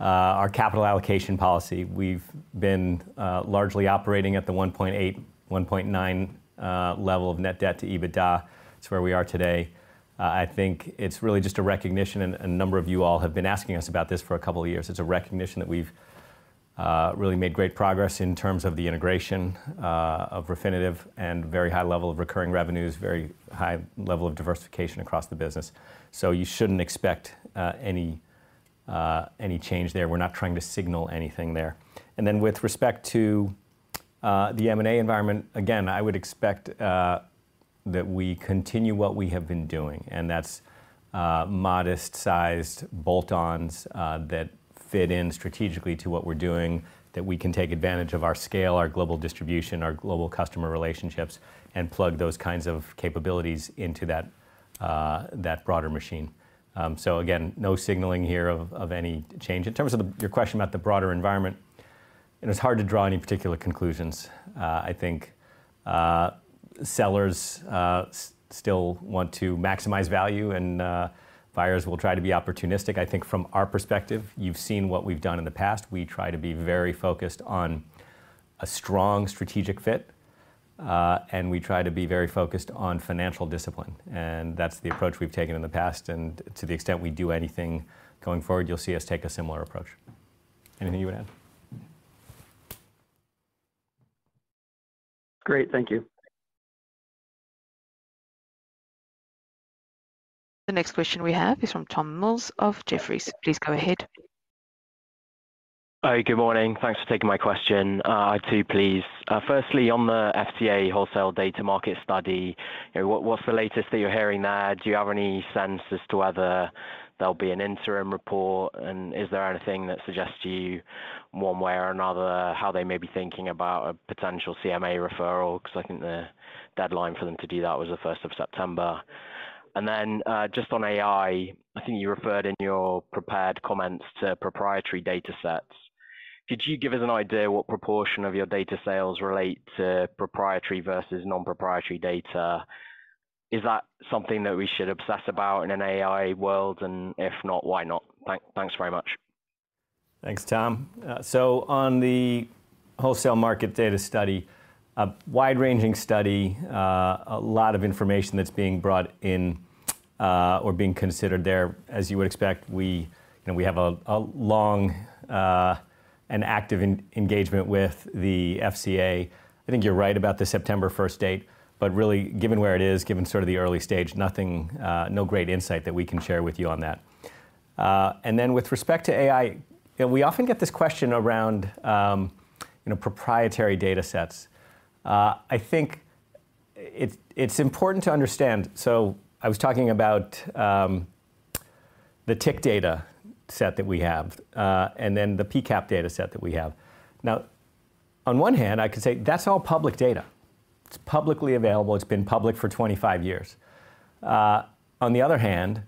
our capital allocation policy. We've been largely operating at the 1.8, 1.9 level of net debt to EBITDA. It's where we are today. I think it's really just a recognition, and a number of you all have been asking us about this for two years. It's a recognition that we've really made great progress in terms of the integration of Refinitiv and very high level of recurring revenues, very high level of diversification across the business. You shouldn't expect any any change there. We're not trying to signal anything there. Then with respect to the M&A environment, again, I would expect that we continue what we have been doing, and that's modest-sized bolt-ons that fit in strategically to what we're doing, that we can take advantage of our scale, our global distribution, our global customer relationships, and plug those kinds of capabilities into that broader machine. Again, no signaling here of any change. In terms of your question about the broader environment, you know, it's hard to draw any particular conclusions. I think sellers still want to maximize value, and buyers will try to be opportunistic. I think from our perspective, you've seen what we've done in the past. We try to be very focused on a strong strategic fit-... We try to be very focused on financial discipline, and that's the approach we've taken in the past, and to the extent we do anything going forward, you'll see us take a similar approach. Anything you want to add? Great, thank you. The next question we have is from Tom Mills of Jefferies. Please go ahead. Hi, good morning. Thanks for taking my question. Two please. Firstly, on the FCA wholesale data market study, you know, what, what's the latest that you're hearing there? Do you have any sense as to whether there'll be an interim report, and is there anything that suggests to you, one way or another, how they may be thinking about a potential CMA referral? 'Cause I think the deadline for them to do that was the first of September. Then, just on AI, I think you referred in your prepared comments to proprietary datasets. Could you give us an idea what proportion of your data sales relate to proprietary versus non-proprietary data? Is that something that we should obsess about in an AI world, and if not, why not? Thanks, thanks very much. Thanks, Tom. On the wholesale market data study, a wide-ranging study, a lot of information that's being brought in, or being considered there. As you would expect, we, you know, we have a, a long, and active engagement with the FCA. I think you're right about the September first date, but really, given where it is, given sort of the early stage, nothing, no great insight that we can share with you on that. With respect to AI, you know, we often get this question around, you know, proprietary datasets. I think it, it's important to understand. I was talking about, the tick data set that we have, and then the PCAP data set that we have. On one hand, I could say that's all public data. It's publicly available. It's been public for 25 years. On the other hand,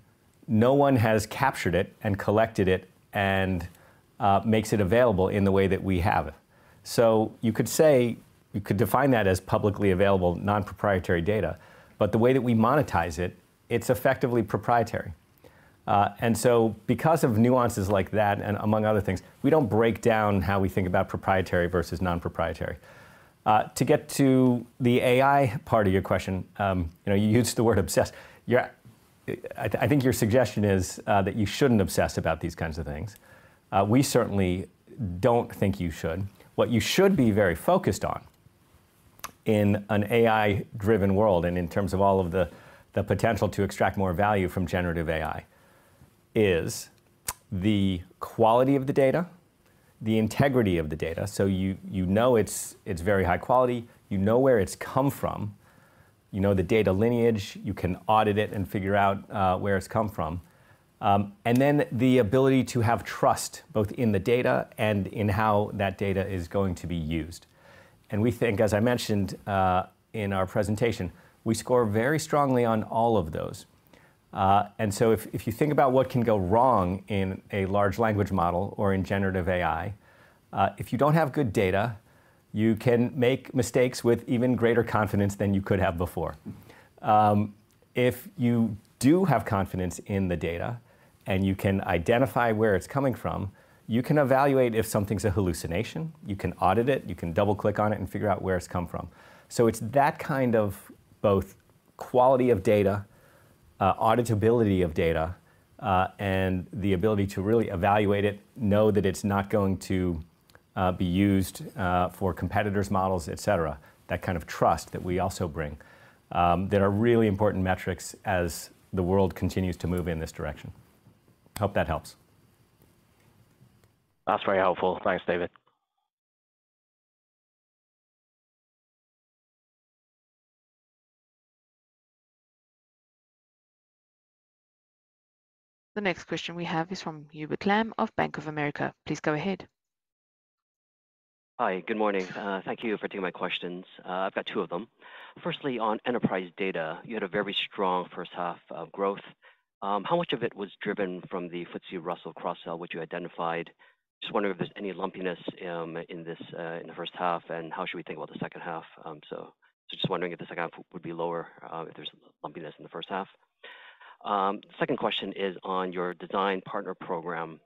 no one has captured it and collected it and makes it available in the way that we have it. You could say, you could define that as publicly available, non-proprietary data, but the way that we monetize it, it's effectively proprietary. Because of nuances like that, and among other things, we don't break down how we think about proprietary versus non-proprietary. To get to the AI part of your question, you know, you used the word obsessed. Yeah, I think your suggestion is that you shouldn't obsess about these kinds of things. We certainly don't think you should. What you should be very focused on in an AI-driven world, and in terms of all of the, the potential to extract more value from generative AI, is the quality of the data, the integrity of the data, so you, you know it's, it's very high quality, you know where it's come from, you know the data lineage, you can audit it and figure out, where it's come from. Then the ability to have trust, both in the data and in how that data is going to be used. We think, as I mentioned, in our presentation, we score very strongly on all of those. If, if you think about what can go wrong in a large language model or in generative AI, if you don't have good data, you can make mistakes with even greater confidence than you could have before. If you do have confidence in the data, and you can identify where it's coming from, you can evaluate if something's a hallucination, you can audit it, you can double-click on it and figure out where it's come from. It's that kind of both quality of data, auditability of data, and the ability to really evaluate it, know that it's not going to be used for competitors' models, et cetera, that kind of trust that we also bring, that are really important metrics as the world continues to move in this direction. Hope that helps. That's very helpful. Thanks, David. The next question we have is from Hubert Lam of Bank of America. Please go ahead. Hi, good morning. Thank you for taking my questions. I've got two of them. Firstly, on enterprise data, you had a very strong first half of growth. How much of it was driven from the FTSE Russell cross-sell, which you identified? Just wondering if there's any lumpiness in this, in the first half, and how should we think about the second half? Just wondering if the second half would be lower, if there's lumpiness in the first half. Second question is on your design partner program.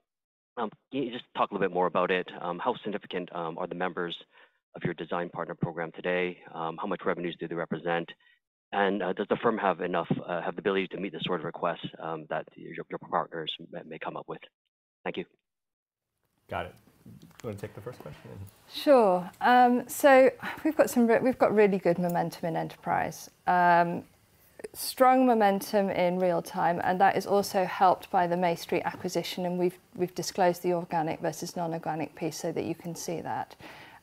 Can you just talk a little bit more about it? How significant are the members of your design partner program today? How much revenues do they represent? Does the firm have enough, have the ability to meet the sort of requests, that your, your partners may, may come up with? Thank you. Got it. You want to take the first question? Sure. We've got really good momentum in enterprise. Strong momentum in real time, and that is also helped by the MayStreet acquisition, and we've, we've disclosed the organic versus non-organic piece so that you can see that.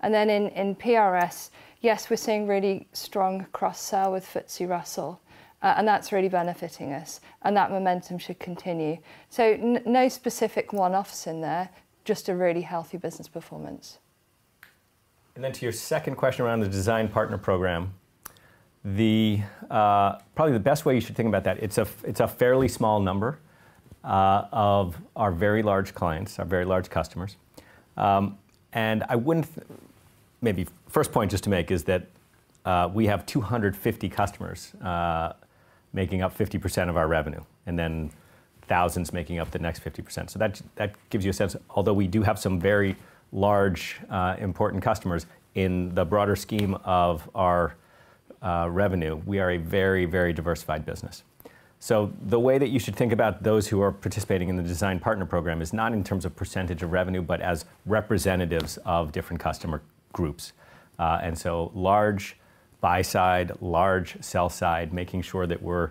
In, in PRS, yes, we're seeing really strong cross-sell with FTSE Russell, and that's really benefiting us, and that momentum should continue. No specific one-offs in there, just a really healthy business performance. Then to your second question around the design partner program, the probably the best way you should think about that, it's a, it's a fairly small number of our very large clients, our very large customers. I wouldn't. Maybe first point just to make is that, we have 250 customers making up 50% of our revenue, and then thousands making up the next 50%. That, that gives you a sense, although we do have some very large, important customers, in the broader scheme of our revenue, we are a very, very diversified business. The way that you should think about those who are participating in the design partner program is not in terms of percentage of revenue, but as representatives of different customer groups. Large buy side, large sell side, making sure that we're,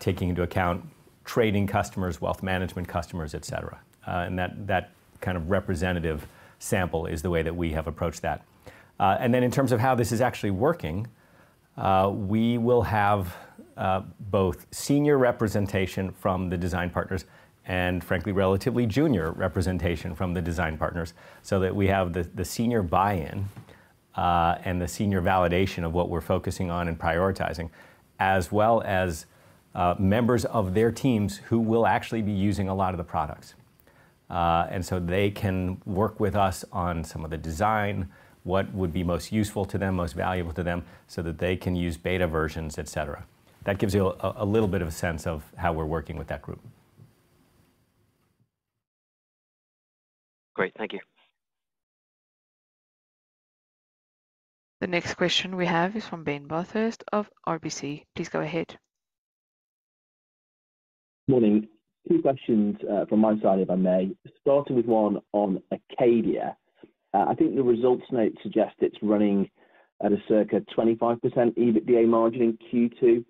taking into account trading customers, wealth management customers, et cetera. That, that kind of representative sample is the way that we have approached that. Then in terms of how this is actually working, we will have, both senior representation from the design partners and frankly, relatively junior representation from the design partners, so that we have the, the senior buy-in, and the senior validation of what we're focusing on and prioritizing, as well as, members of their teams who will actually be using a lot of the products. So they can work with us on some of the design, what would be most useful to them, most valuable to them, so that they can use beta versions, et cetera. That gives you a little bit of a sense of how we're working with that group. Great, thank you. The next question we have is from Ben Bathurst of RBC. Please go ahead. Morning. Two questions from my side, if I may. Starting with one on Acadia. I think the results note suggest it's running at a circa 25% EBITDA margin in Q2.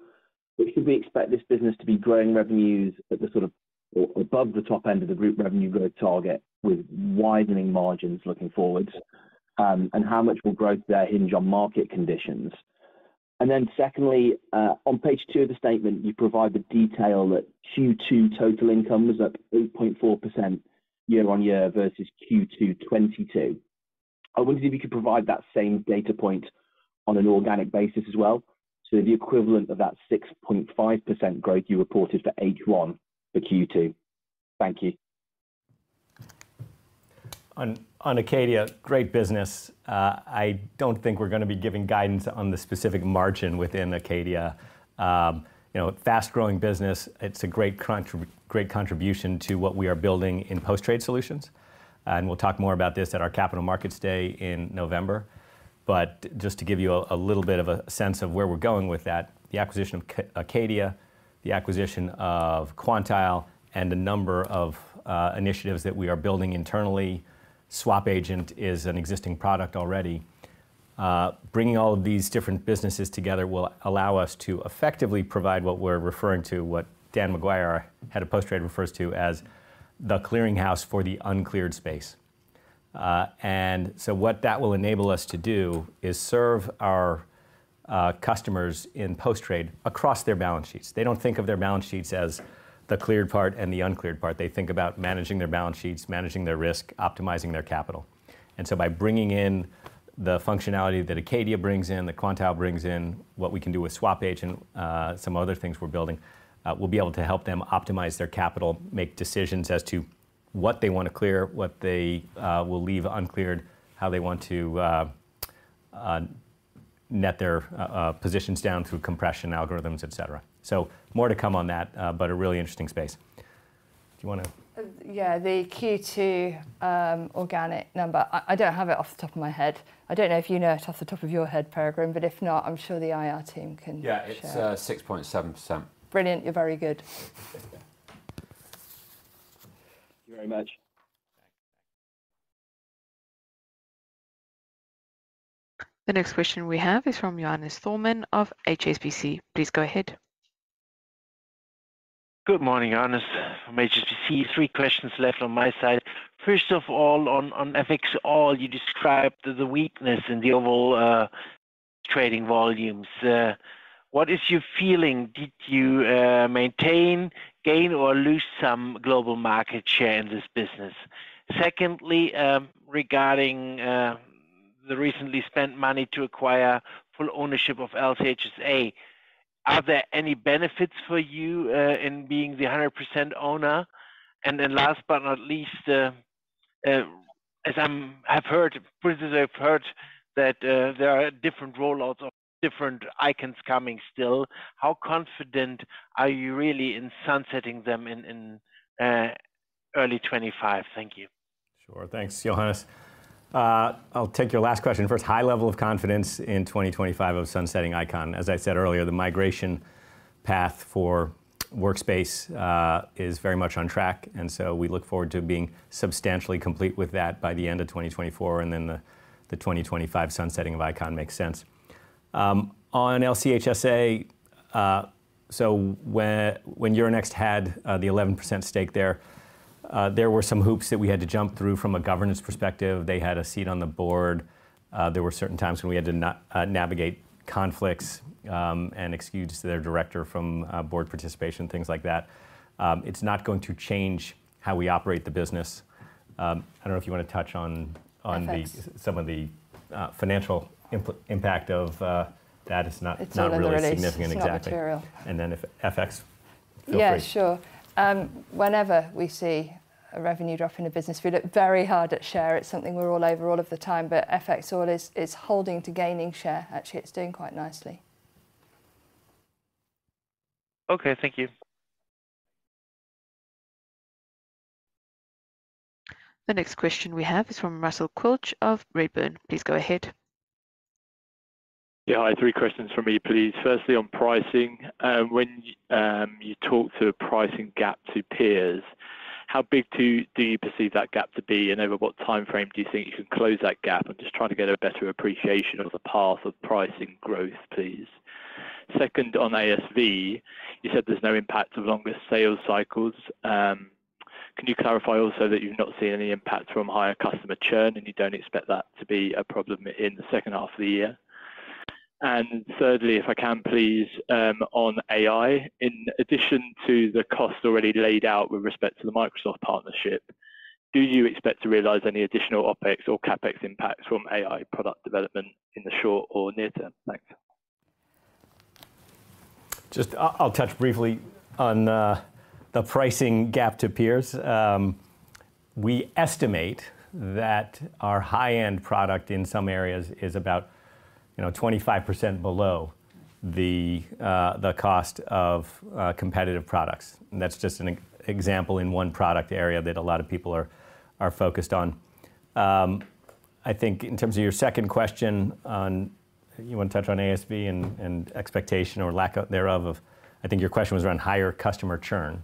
Should we expect this business to be growing revenues at the sort of or above the top end of the group revenue growth target with widening margins looking forward? How much will growth there hinge on market conditions? Secondly, on Page 2 of the statement, you provide the detail that Q2 total income was up 8.4% year-on-year versus Q2 2022. I wonder if you could provide that same data point on an organic basis as well, so the equivalent of that 6.5% growth you reported for H1 for Q2. Thank you. On, on Acadia, great business. I don't think we're gonna be giving guidance on the specific margin within Acadia. You know, fast-growing business, it's a great great contribution to what we are building in post-trade solutions, and we'll talk more about this at our Capital Markets Day in November. Just to give you a, a little bit of a sense of where we're going with that, the acquisition of Acadia, the acquisition of Quantile, and a number of initiatives that we are building internally, SwapAgent is an existing product already. Bringing all of these different businesses together will allow us to effectively provide what we're referring to, what Dan McGuire, Head of Post Trade, refers to as the clearinghouse for the uncleared space. What that will enable us to do is serve our customers in Post Trade across their balance sheets. They don't think of their balance sheets as the cleared part and the uncleared part. They think about managing their balance sheets, managing their risk, optimizing their capital. By bringing in the functionality that Acadia brings in, that Quantile brings in, what we can do with SwapAgent, some other things we're building, we'll be able to help them optimize their capital, make decisions as to what they want to clear, what they will leave uncleared, how they want to net their positions down through compression algorithms, et cetera. More to come on that, but a really interesting space. Do you want to- Yeah, the Q2 organic number. I don't have it off the top of my head. I don't know if you know it off the top of your head, Peregrine, but if not, I'm sure the IR team can share. Yeah, it's, 6.7%. Brilliant. You're very good. Thank you very much. The next question we have is from Johannes Thormann of HSBC. Please go ahead. Good morning. Johannes from HSBC. Three questions left on my side. First of all, on, on FXall, you described the weakness in the overall, trading volumes. What is your feeling? Did you maintain, gain, or lose some global market share in this business? Secondly, regarding the recently spent money to acquire full ownership of LCHSA, are there any benefits for you in being the 100% owner? Then last but not least, I've heard, previously I've heard that, there are different rollouts of different ICANs coming still. How confident are you really in sunsetting them in, in, early 2025? Thank you. Sure. Thanks, Johannes. I'll take your last question first. High level of confidence in 2025 of sunsetting ICAN. As I said earlier, the migration path for Workspace is very much on track, and so we look forward to being substantially complete with that by the end of 2024, and then the, the 2025 sunsetting of ICAN makes sense. On LCHSA, so when, when Euronext had the 11% stake there, there were some hoops that we had to jump through from a governance perspective. They had a seat on the board. There were certain times when we had to navigate conflicts, and excuse their director from board participation, things like that. It's not going to change how we operate the business. I don't know if you want to touch on, on. FX. -some of the, financial impact of, that. It's not, not really significant. It's similar. Exactly. Material. Then if FX? Yeah, sure. Whenever we see a revenue drop in a business, we look very hard at share. It's something we're all over all of the time, but FX Oil is, is holding to gaining share. Actually, it's doing quite nicely. Okay, thank you. The next question we have is from Russell Quelch of Redburn. Please go ahead. Yeah, hi. Three questions from me, please. Firstly, on pricing, when you talk to a pricing gap to peers, how big do, do you perceive that gap to be, and over what time frame do you think you can close that gap? I'm just trying to get a better appreciation of the path of pricing growth, please. Second, on ASV, you said there's no impact of longer sales cycles. Can you clarify also that you've not seen any impact from higher customer churn, and you don't expect that to be a problem in the second half of the year? Thirdly, if I can please, on AI. In addition to the cost already laid out with respect to the Microsoft partnership, do you expect to realize any additional OpEx or CapEx impacts from AI product development in the short or near term? Thanks. Just I, I'll touch briefly on the pricing gap to peers. We estimate that our high-end product in some areas is about, you know, 25% below the cost of competitive products. And that's just an example in one product area that a lot of people are focused on. I think in terms of your second question on... You want to touch on ASV and expectation or lack thereof of-- I think your question was around higher customer churn.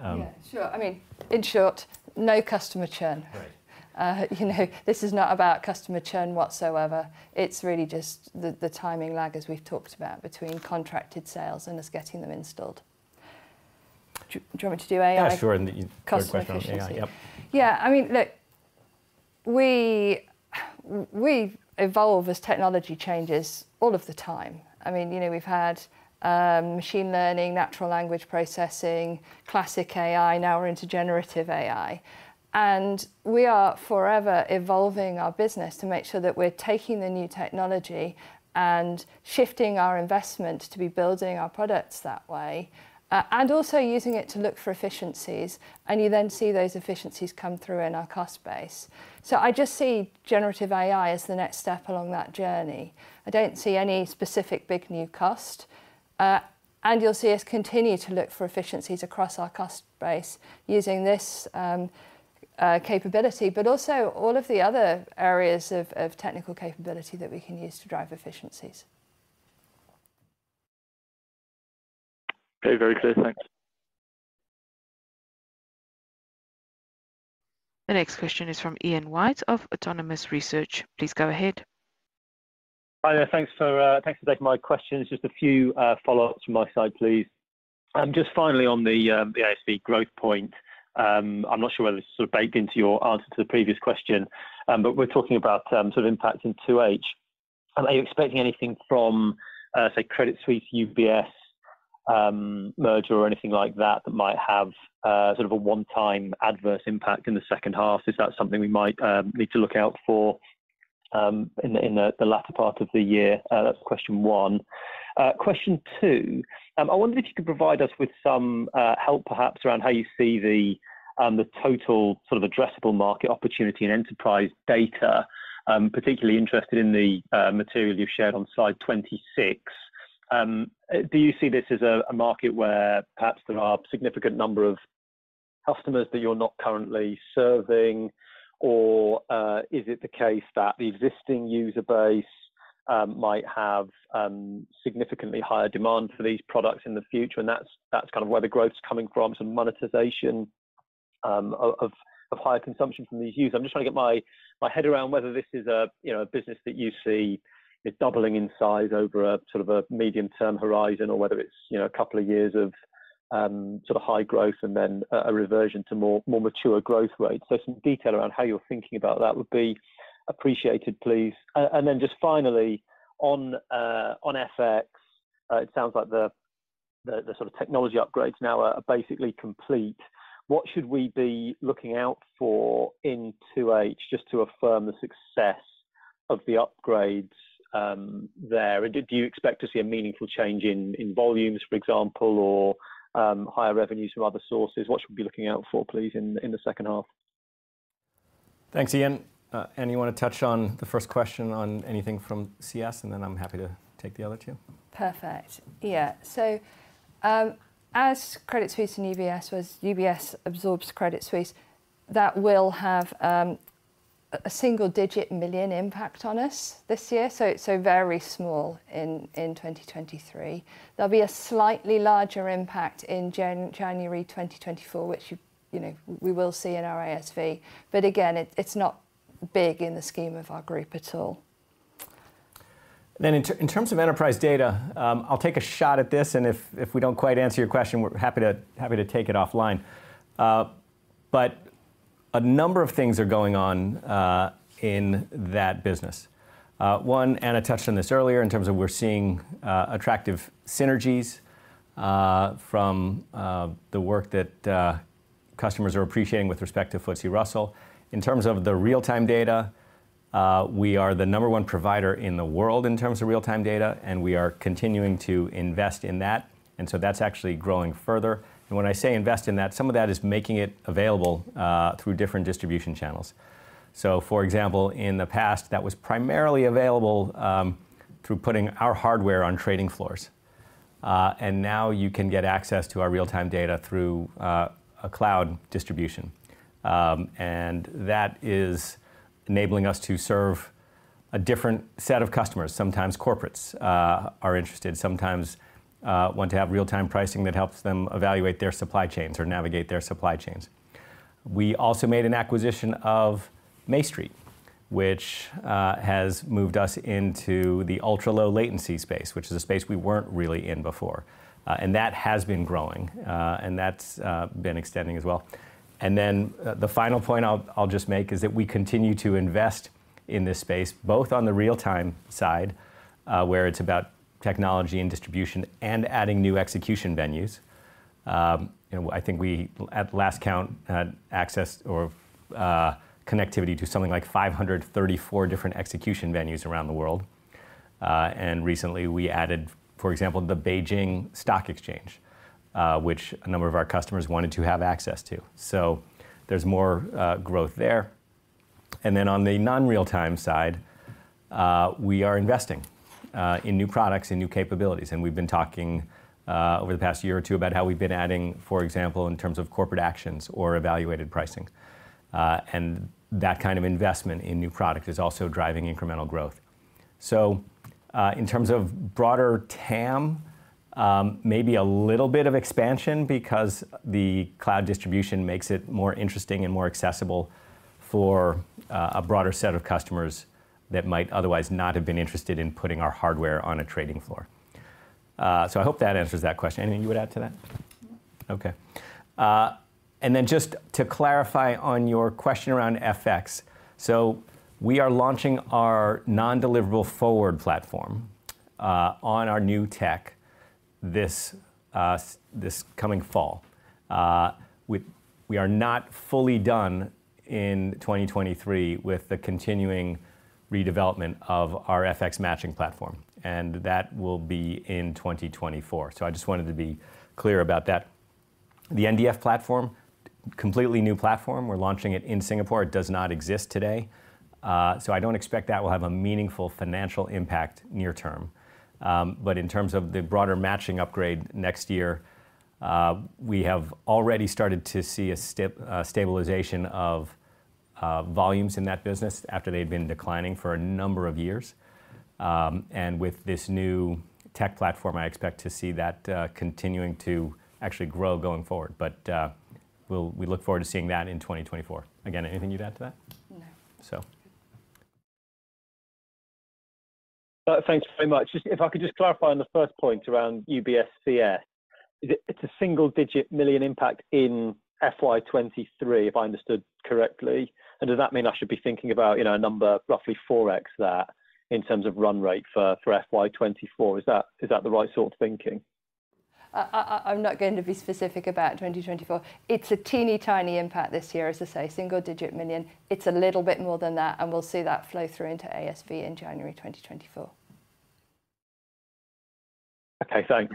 Yeah, sure. I mean, in short, no customer churn. Right. you know, this is not about customer churn whatsoever. It's really just the, the timing lag, as we've talked about, between contracted sales and us getting them installed. Do you want me to do AI? Yeah, sure. you- Cost efficiency. The other question on AI. Yep. I mean, look, we evolve as technology changes all of the time. I mean, you know, we've had machine learning, natural language processing, classic AI, now we're into generative AI. We are forever evolving our business to make sure that we're taking the new technology and shifting our investment to be building our products that way, and also using it to look for efficiencies, and you then see those efficiencies come through in our cost base. I just see generative AI as the next step along that journey. I don't see any specific big new cost. You'll see us continue to look for efficiencies across our cost base using this capability, but also all of the other areas of technical capability that we can use to drive efficiencies. Okay, very clear. Thanks. The next question is from Ian White of Autonomous Research. Please go ahead. Hi there. Thanks for, thanks for taking my questions. Just a few follow-ups from my side, please. Just finally on the, the ASV growth point, I'm not sure whether this is sort of baked into your answer to the previous question, but we're talking about, sort of impact in 2H. Are you expecting anything from, say, Credit Suisse, UBS, merger or anything like that, that might have, sort of a one-time adverse impact in the second half? Is that something we might need to look out for, in the, in the, the latter part of the year? That's question one. Question two, I wonder if you could provide us with some help perhaps around how you see the, the total sort of addressable market opportunity in enterprise data. I'm particularly interested in the material you've shared on Slide 26. Do you see this as a market where perhaps there are a significant number of customers that you're not currently serving, or is it the case that the existing user base might have significantly higher demand for these products in the future, and that's, that's kind of where the growth is coming from, some monetization of higher consumption from these users? I'm just trying to get my head around whether this is a, you know, a business that you see is doubling in size over a, sort of a medium-term horizon, or whether it's, you know, a couple of years of sort of high growth and then a reversion to more, more mature growth rates? Some detail around how you're thinking about that would be appreciated, please. Then just finally, on FX, it sounds like the, the, the sort of technology upgrades now are, are basically complete. What should we be looking out for in 2H, just to affirm the success of the upgrades there? Do you expect to see a meaningful change in, in volumes, for example, or higher revenues from other sources? What should we be looking out for, please, in, in the second half? Thanks, Ian. Anna, you want to touch on the first question on anything from CS, and then I'm happy to take the other two? Perfect. Yeah. As Credit Suisse and UBS absorbs Credit Suisse, that will have a single-digit million impact on us this year, so it's so very small in 2023. There'll be a slightly larger impact in January 2024, which you know, we will see in our ASV. Again, it's not big in the scheme of our group at all. In terms of enterprise data, I'll take a shot at this, and if we don't quite answer your question, we're happy to take it offline. A number of things are going on in that business. One, Anna touched on this earlier, in terms of we're seeing attractive synergies from the work that customers are appreciating with respect to FTSE Russell. In terms of the real-time data, we are the number one provider in the world in terms of real-time data, and we are continuing to invest in that, so that's actually growing further. When I say invest in that, some of that is making it available through different distribution channels. For example, in the past, that was primarily available through putting our hardware on trading floors. Now you can get access to our real-time data through a cloud distribution. That is enabling us to serve a different set of customers. Sometimes corporates are interested, sometimes want to have real-time pricing that helps them evaluate their supply chains or navigate their supply chains. We also made an acquisition of Maystreet, which has moved us into the ultra-low latency space, which is a space we weren't really in before. That has been growing, and that's been extending as well. The final point I'll just make is that we continue to invest in this space, both on the real-time side, where it's about technology and distribution and adding new execution venues. I think we, at last count, had access or, connectivity to something like 534 different execution venues around the world. Recently we added, for example, the Beijing Stock Exchange, which a number of our customers wanted to have access to. There's more, growth there. Then on the non-real-time side, we are investing, in new products and new capabilities, and we've been talking, over the past year or two about how we've been adding, for example, in terms of corporate actions or evaluated pricing. That kind of investment in new product is also driving incremental growth. In terms of broader TAM, maybe a little bit of expansion because the cloud distribution makes it more interesting and more accessible for a broader set of customers that might otherwise not have been interested in putting our hardware on a trading floor. I hope that answers that question. Anything you would add to that? No. Okay. Just to clarify on your question around FX. We are launching our non-deliverable forward platform on our new tech this coming fall. We, we are not fully done in 2023 with the continuing redevelopment of our FX matching platform, and that will be in 2024. I just wanted to be clear about that. The NDF platform, completely new platform. We're launching it in Singapore. It does not exist today, so I don't expect that will have a meaningful financial impact near term. In terms of the broader matching upgrade next year, we have already started to see a stabilization of volumes in that business after they'd been declining for a number of years. With this new tech platform, I expect to see that continuing to actually grow going forward. We'll-- we look forward to seeing that in 2024. Again, anything you'd add to that? No. So... Thank you so much. Just if I could just clarify on the first point around UBSCM. It's a GBP single-digit million impact in FY 2023, if I understood correctly. Does that mean I should be thinking about, you know, a number roughly 4x that in terms of run rate for, for FY 2024? Is that the right sort of thinking? I'm not going to be specific about 2024. It's a teeny-tiny impact this year. As I say, GBP single digit million. It's a little bit more than that, and we'll see that flow through into ASV in January 2024. Okay, thanks.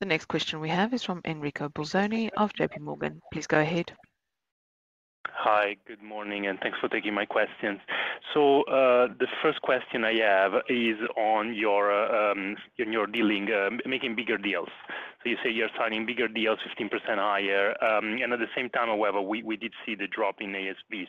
The next question we have is from Enrico Bolzoni of JPMorgan. Please go ahead. Hi, good morning, and thanks for taking my questions. The first question I have is on your on your dealing making bigger deals. You say you're signing bigger deals, 15% higher, and at the same time, however, we, we did see the drop in ASV.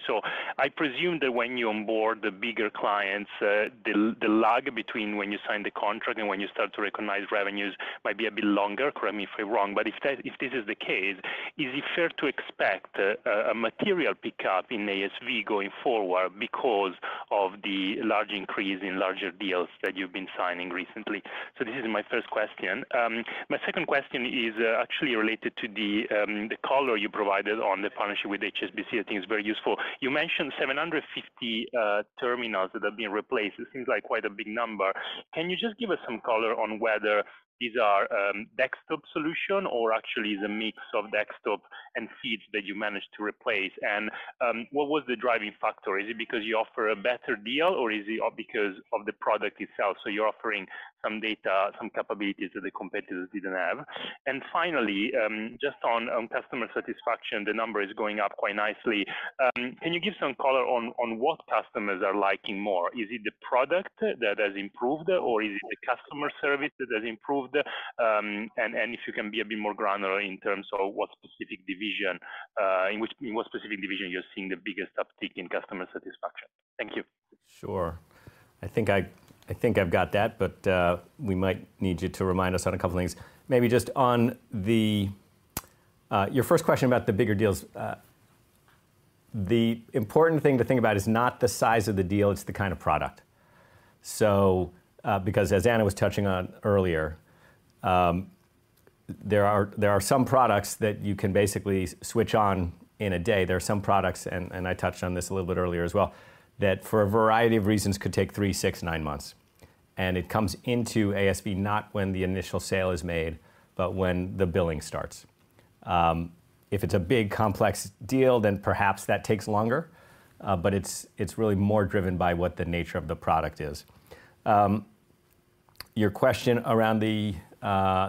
I presume that when you onboard the bigger clients, the lag between when you sign the contract and when you start to recognize revenues might be a bit longer. Correct me if I'm wrong, but if this is the case, is it fair to expect a material pickup in ASV going forward because of the large increase in larger deals that you've been signing recently? This is my first question. My second question is actually related to the color you provided on the partnership with HSBC. I think it's very useful. You mentioned 750 terminals that have been replaced. It seems like quite a big number. Can you just give us some color on whether these are desktop solution or actually the mix of desktop and feeds that you managed to replace? What was the driving factor? Is it because you offer a better deal, or is it because of the product itself, so you're offering some data, some capabilities that the competitors didn't have? Finally, just on, on customer satisfaction, the number is going up quite nicely. Can you give some color on, on what customers are liking more? Is it the product that has improved, or is it the customer service that has improved? If you can be a bit more granular in terms of what specific division, in what specific division you're seeing the biggest uptick in customer satisfaction. Thank you. Sure. I think I, I think I've got that, but we might need you to remind us on a couple things. Maybe just on the... your first question about the bigger deals. The important thing to think about is not the size of the deal, it's the kind of product. Because as Anna was touching on earlier, there are, there are some products that you can basically switch on in a day. There are some products, and, and I touched on this a little bit earlier as well, that, for a variety of reasons, could take three, six, nine months, and it comes into ASB not when the initial sale is made, but when the billing starts. If it's a big, complex deal, then perhaps that takes longer, but it's, it's really more driven by what the nature of the product is. Your question around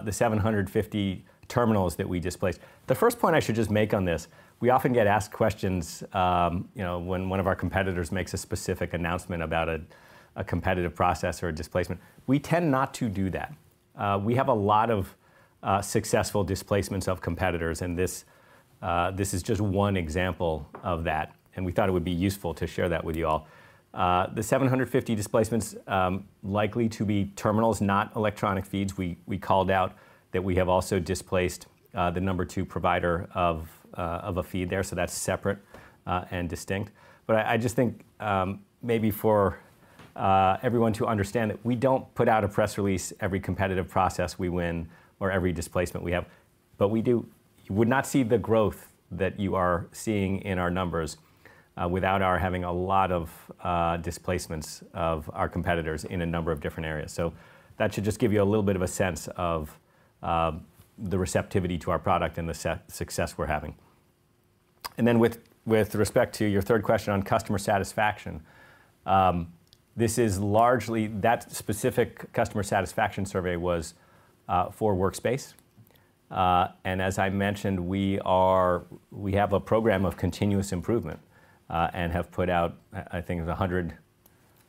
the 750 terminals that we displaced. The first point I should just make on this, we often get asked questions, you know, when one of our competitors makes a specific announcement about a competitive process or a displacement. We tend not to do that. We have a lot of successful displacements of competitors, and this is just one example of that, and we thought it would be useful to share that with you all. The 750 displacements, likely to be terminals, not electronic feeds. We, we called out that we have also displaced the number two provider of a feed there, so that's separate and distinct. I, I just think, maybe for everyone to understand that we don't put out a press release every competitive process we win or every displacement we have. We do. You would not see the growth that you are seeing in our numbers, without our having a lot of displacements of our competitors in a number of different areas. That should just give you a little bit of a sense of the receptivity to our product and the set success we're having. Then with, with respect to your third question on customer satisfaction, this is largely. That specific customer satisfaction survey was for Workspace. As I mentioned, we have a program of continuous improvement, and have put out, I, I think it was 100.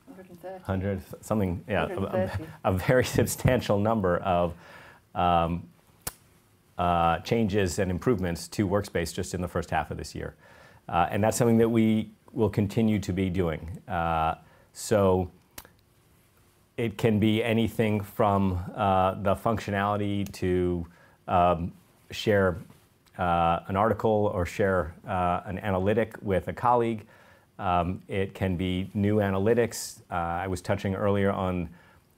130. 100 something. Yeah. GBP 130. A very substantial number of changes and improvements to Workspace just in H1 of this year. That's something that we will continue to be doing. It can be anything from the functionality to share an article or share an analytic with a colleague. It can be new analytics. I was touching earlier on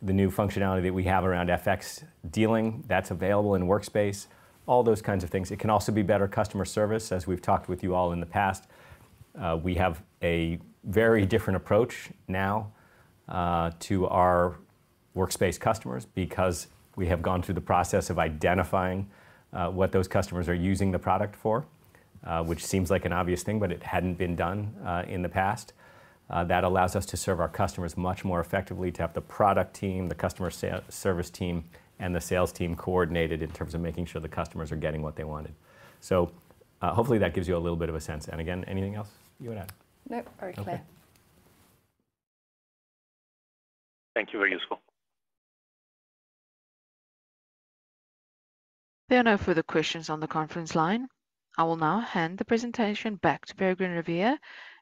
the new functionality that we have around FX dealing. That's available in Workspace, all those kinds of things. It can also be better customer service. As we've talked with you all in the past, we have a very different approach now to our Workspace customers because we have gone through the process of identifying what those customers are using the product for, which seems like an obvious thing, but it hadn't been done in the past. That allows us to serve our customers much more effectively, to have the product team, the customer service team, and the sales team coordinated in terms of making sure the customers are getting what they wanted. Hopefully, that gives you a little bit of a sense. Again, anything else you want to add? Nope. Very clear. Okay. Thank you. Very useful. There are no further questions on the conference line. I will now hand the presentation back to Peregrine Riviere,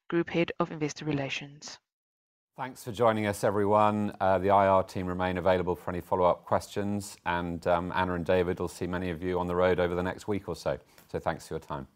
Group Head of Investor Relations. Thanks for joining us, everyone. The IR team remain available for any follow-up questions, and Anna and David will see many of you on the road over the next week or so. Thanks for your time.